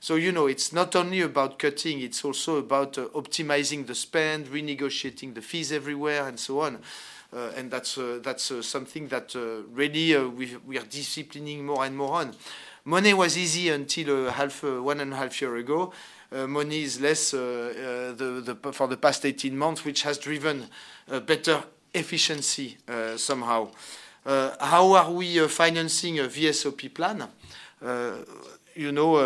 So, you know, it's not only about cutting, it's also about optimizing the spend, renegotiating the fees everywhere, and so on. And that's something that really we are disciplining more and more on. Money was easy until half, 1.5 year ago. Money is less for the past 18 months, which has driven better efficiency somehow. How are we financing a VSOP plan? You know,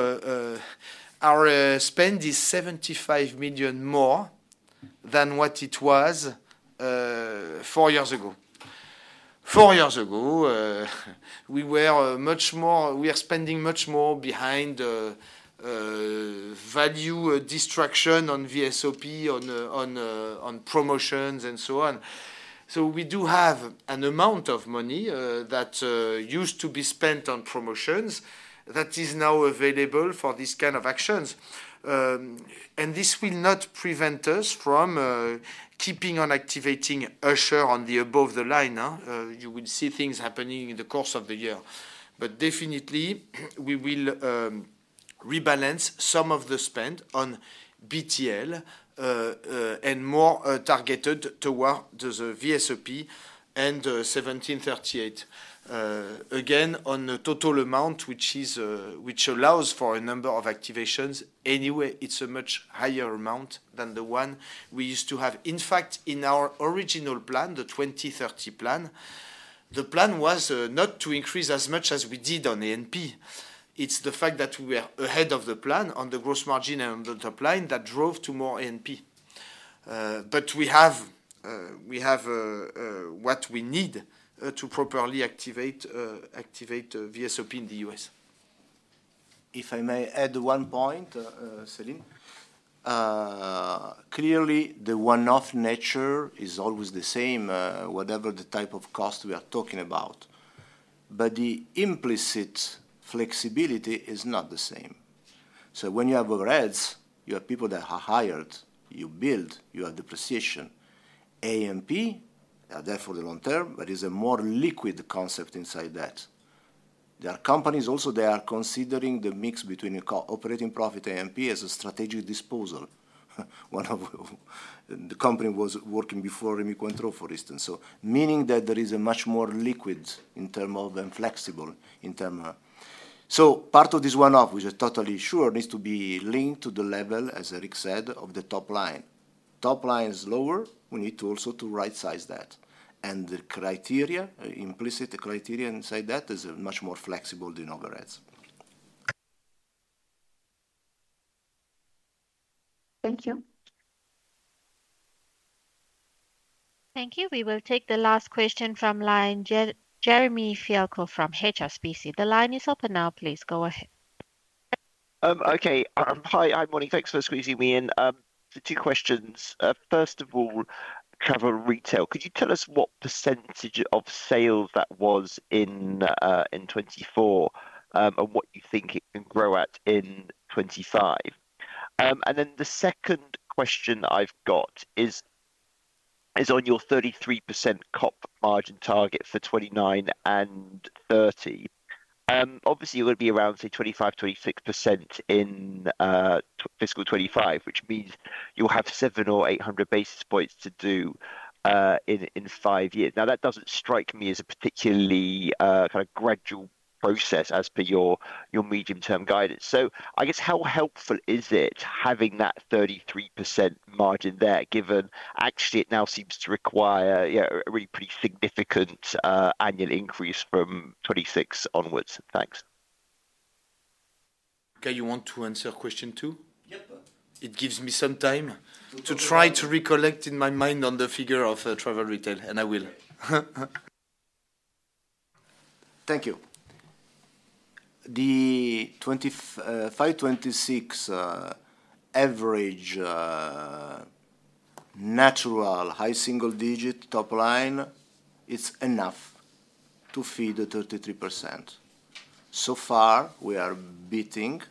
our spend is 75 million more than what it was 4 years ago. Four years ago, we were much more—we are spending much more behind the value distraction on VSOP, on promotions, and so on. So we do have an amount of money that used to be spent on promotions that is now available for this kind of actions. And this will not prevent us from keeping on activating Usher on the above the line, huh? You will see things happening in the course of the year. But definitely, we will rebalance some of the spend on BTL, and more targeted toward the VSOP and 1738. Again, on the total amount, which allows for a number of activations, anyway, it's a much higher amount than the one we used to have. In fact, in our original plan, the 20/30 plan, the plan was not to increase as much as we did on A&P. It's the fact that we are ahead of the plan on the gross margin and on the top line that drove to more A&P. But we have, we have what we need to properly activate, activate VSOP in the US. If I may add one point, Céline. Clearly, the one-off nature is always the same, whatever the type of cost we are talking about, but the implicit flexibility is not the same. So when you have overheads, you have people that are hired, you build, you have depreciation. A&P are there for the long term, but is a more liquid concept inside that. There are companies also, they are considering the mix between a current operating profit A&P as a strategic disposal. One of... The company was working before Rémy Cointreau, for instance. So meaning that there is a much more liquid in term of, and flexible in term. So part of this one-off, which is totally sure, needs to be linked to the level, as Éric said, of the top line. Top line is lower, we need to also to rightsize that. The criteria, implicit criteria inside that, is much more flexible than overheads. Thank you. Thank you. We will take the last question from the line, Jeremy Fialko from HSBC. The line is open now. Please go ahead. Okay. Hi. Morning. Thanks for squeezing me in. So two questions. First of all, travel retail. Could you tell us what percentage of sales that was in 2024 and what you think it can grow at in 2025? And then the second question I've got is on your 33% COP margin target for 2029 and 2030. Obviously, you're gonna be around, say, 25%-26% in fiscal 2025, which means you'll have 700 or 800 basis points to do in 5 years. Now, that doesn't strike me as a particularly kind of gradual process as per your medium-term guidance. So I guess, how helpful is it having that 33% margin there, given actually it now seems to require, yeah, a really pretty significant annual increase from 2026 onwards? Thanks. Okay. You want to answer question two? Yep. It gives me some time to try to recollect in my mind on the figure of, travel retail, and I will. Thank you. The 2025-2026 average natural high single-digit top line, it's enough to feed the 33%. So far, we are beating,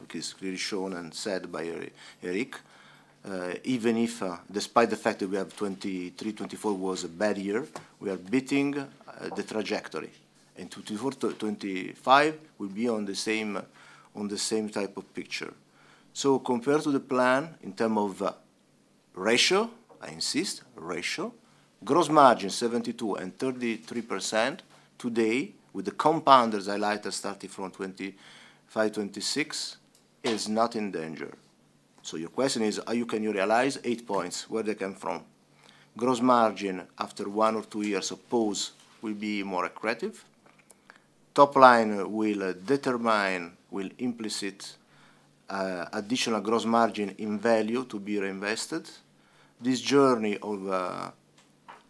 which is clearly shown and said by Eric, even if, despite the fact that we have 2023, 2024 was a bad year, we are beating the trajectory. In 2024 to 2025, we'll be on the same, on the same type of picture. So compared to the plan in terms of, I insist, ratio, gross margin 72% and 33% today, with the compounders I highlighted starting from 2025-2026, is not in danger. So your question is, are you-- can you realize 8 points, where they come from? Gross margin, after one or two years of pause, will be more accretive. Top line will determine will implicitly additional gross margin in value to be reinvested. This journey of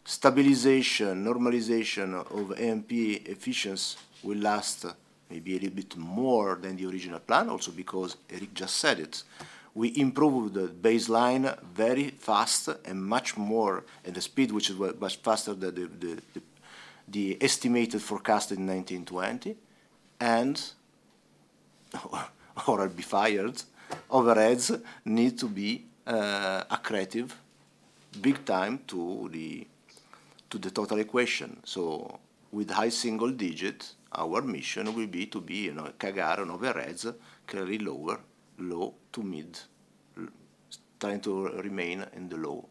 stabilization, normalization of A&P efficiency will last maybe a little bit more than the original plan. Also, because Eric just said it, we improved the baseline very fast and much more, at the speed which is much faster than the estimated forecast in 2020. And or I'll be fired, overheads need to be accretive big time to the total equation. So with high single-digit, our mission will be to be, you know, cap on overheads, clearly lower, low to mid, trying to remain in the low,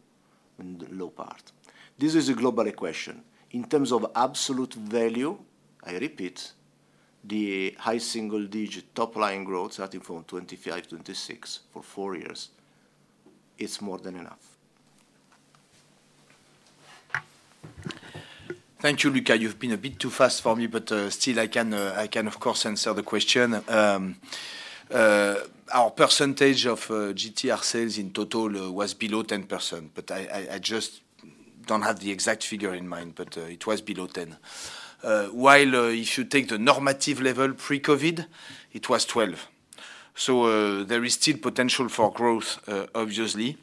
in the low part. This is a global equation. In terms of absolute value, I repeat, the high single-digit top-line growth, starting from 2025, 2026 for four years, it's more than enough. Thank you, Luca. You've been a bit too fast for me, but still I can, I can, of course, answer the question. Our percentage of GTR sales in total was below 10%, but I just don't have the exact figure in mind, but it was below 10. While if you take the normative level pre-COVID, it was 12. So there is still potential for growth, obviously.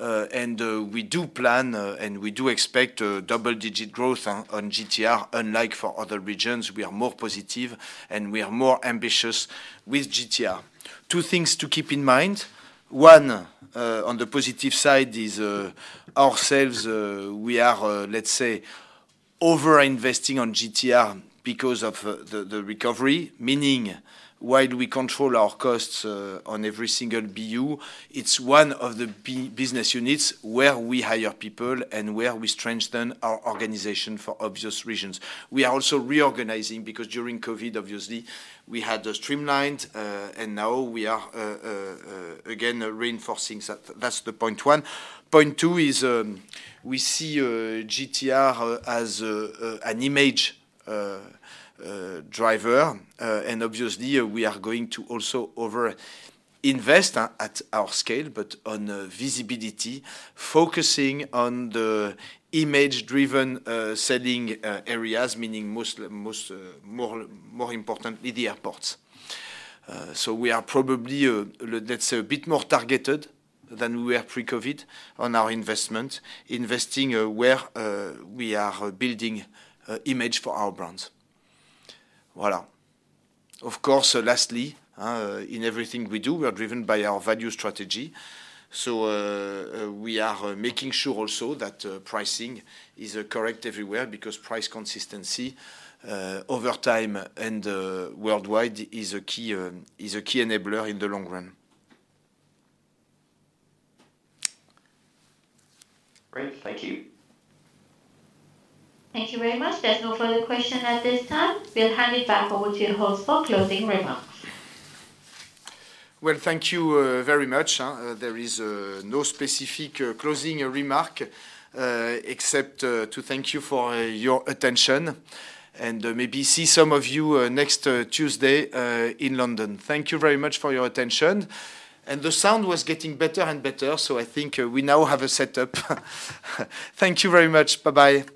And we do plan, and we do expect, double-digit growth on GTR. Unlike for other regions, we are more positive and we are more ambitious with GTR. Two things to keep in mind: One, on the positive side is, ourselves, we are, let's say, over-investing on GTR because of the recovery. Meaning, while we control our costs on every single BU, it's one of the business units where we hire people and where we strengthen our organization for obvious reasons. We are also reorganizing because during COVID, obviously, we had streamlined, and now we are again reinforcing. So that's point one. Point two is, we see GTR as an image driver. And obviously, we are going to also over-invest at our scale, but on visibility, focusing on the image-driven selling areas, meaning most more importantly, the airports. So we are probably, let's say, a bit more targeted than we were pre-COVID on our investment, investing where we are building image for our brands. Voilà. Of course, lastly, in everything we do, we are driven by our value strategy. So, we are making sure also that pricing is correct everywhere, because price consistency over time and worldwide is a key enabler in the long run. Great. Thank you. Thank you very much. There's no further question at this time. We'll hand it back over to the host for closing remarks. Well, thank you very much. There is no specific closing remark, except to thank you for your attention, and maybe see some of you next Tuesday in London. Thank you very much for your attention. The sound was getting better and better, so I think we now have a setup. Thank you very much. Bye-bye!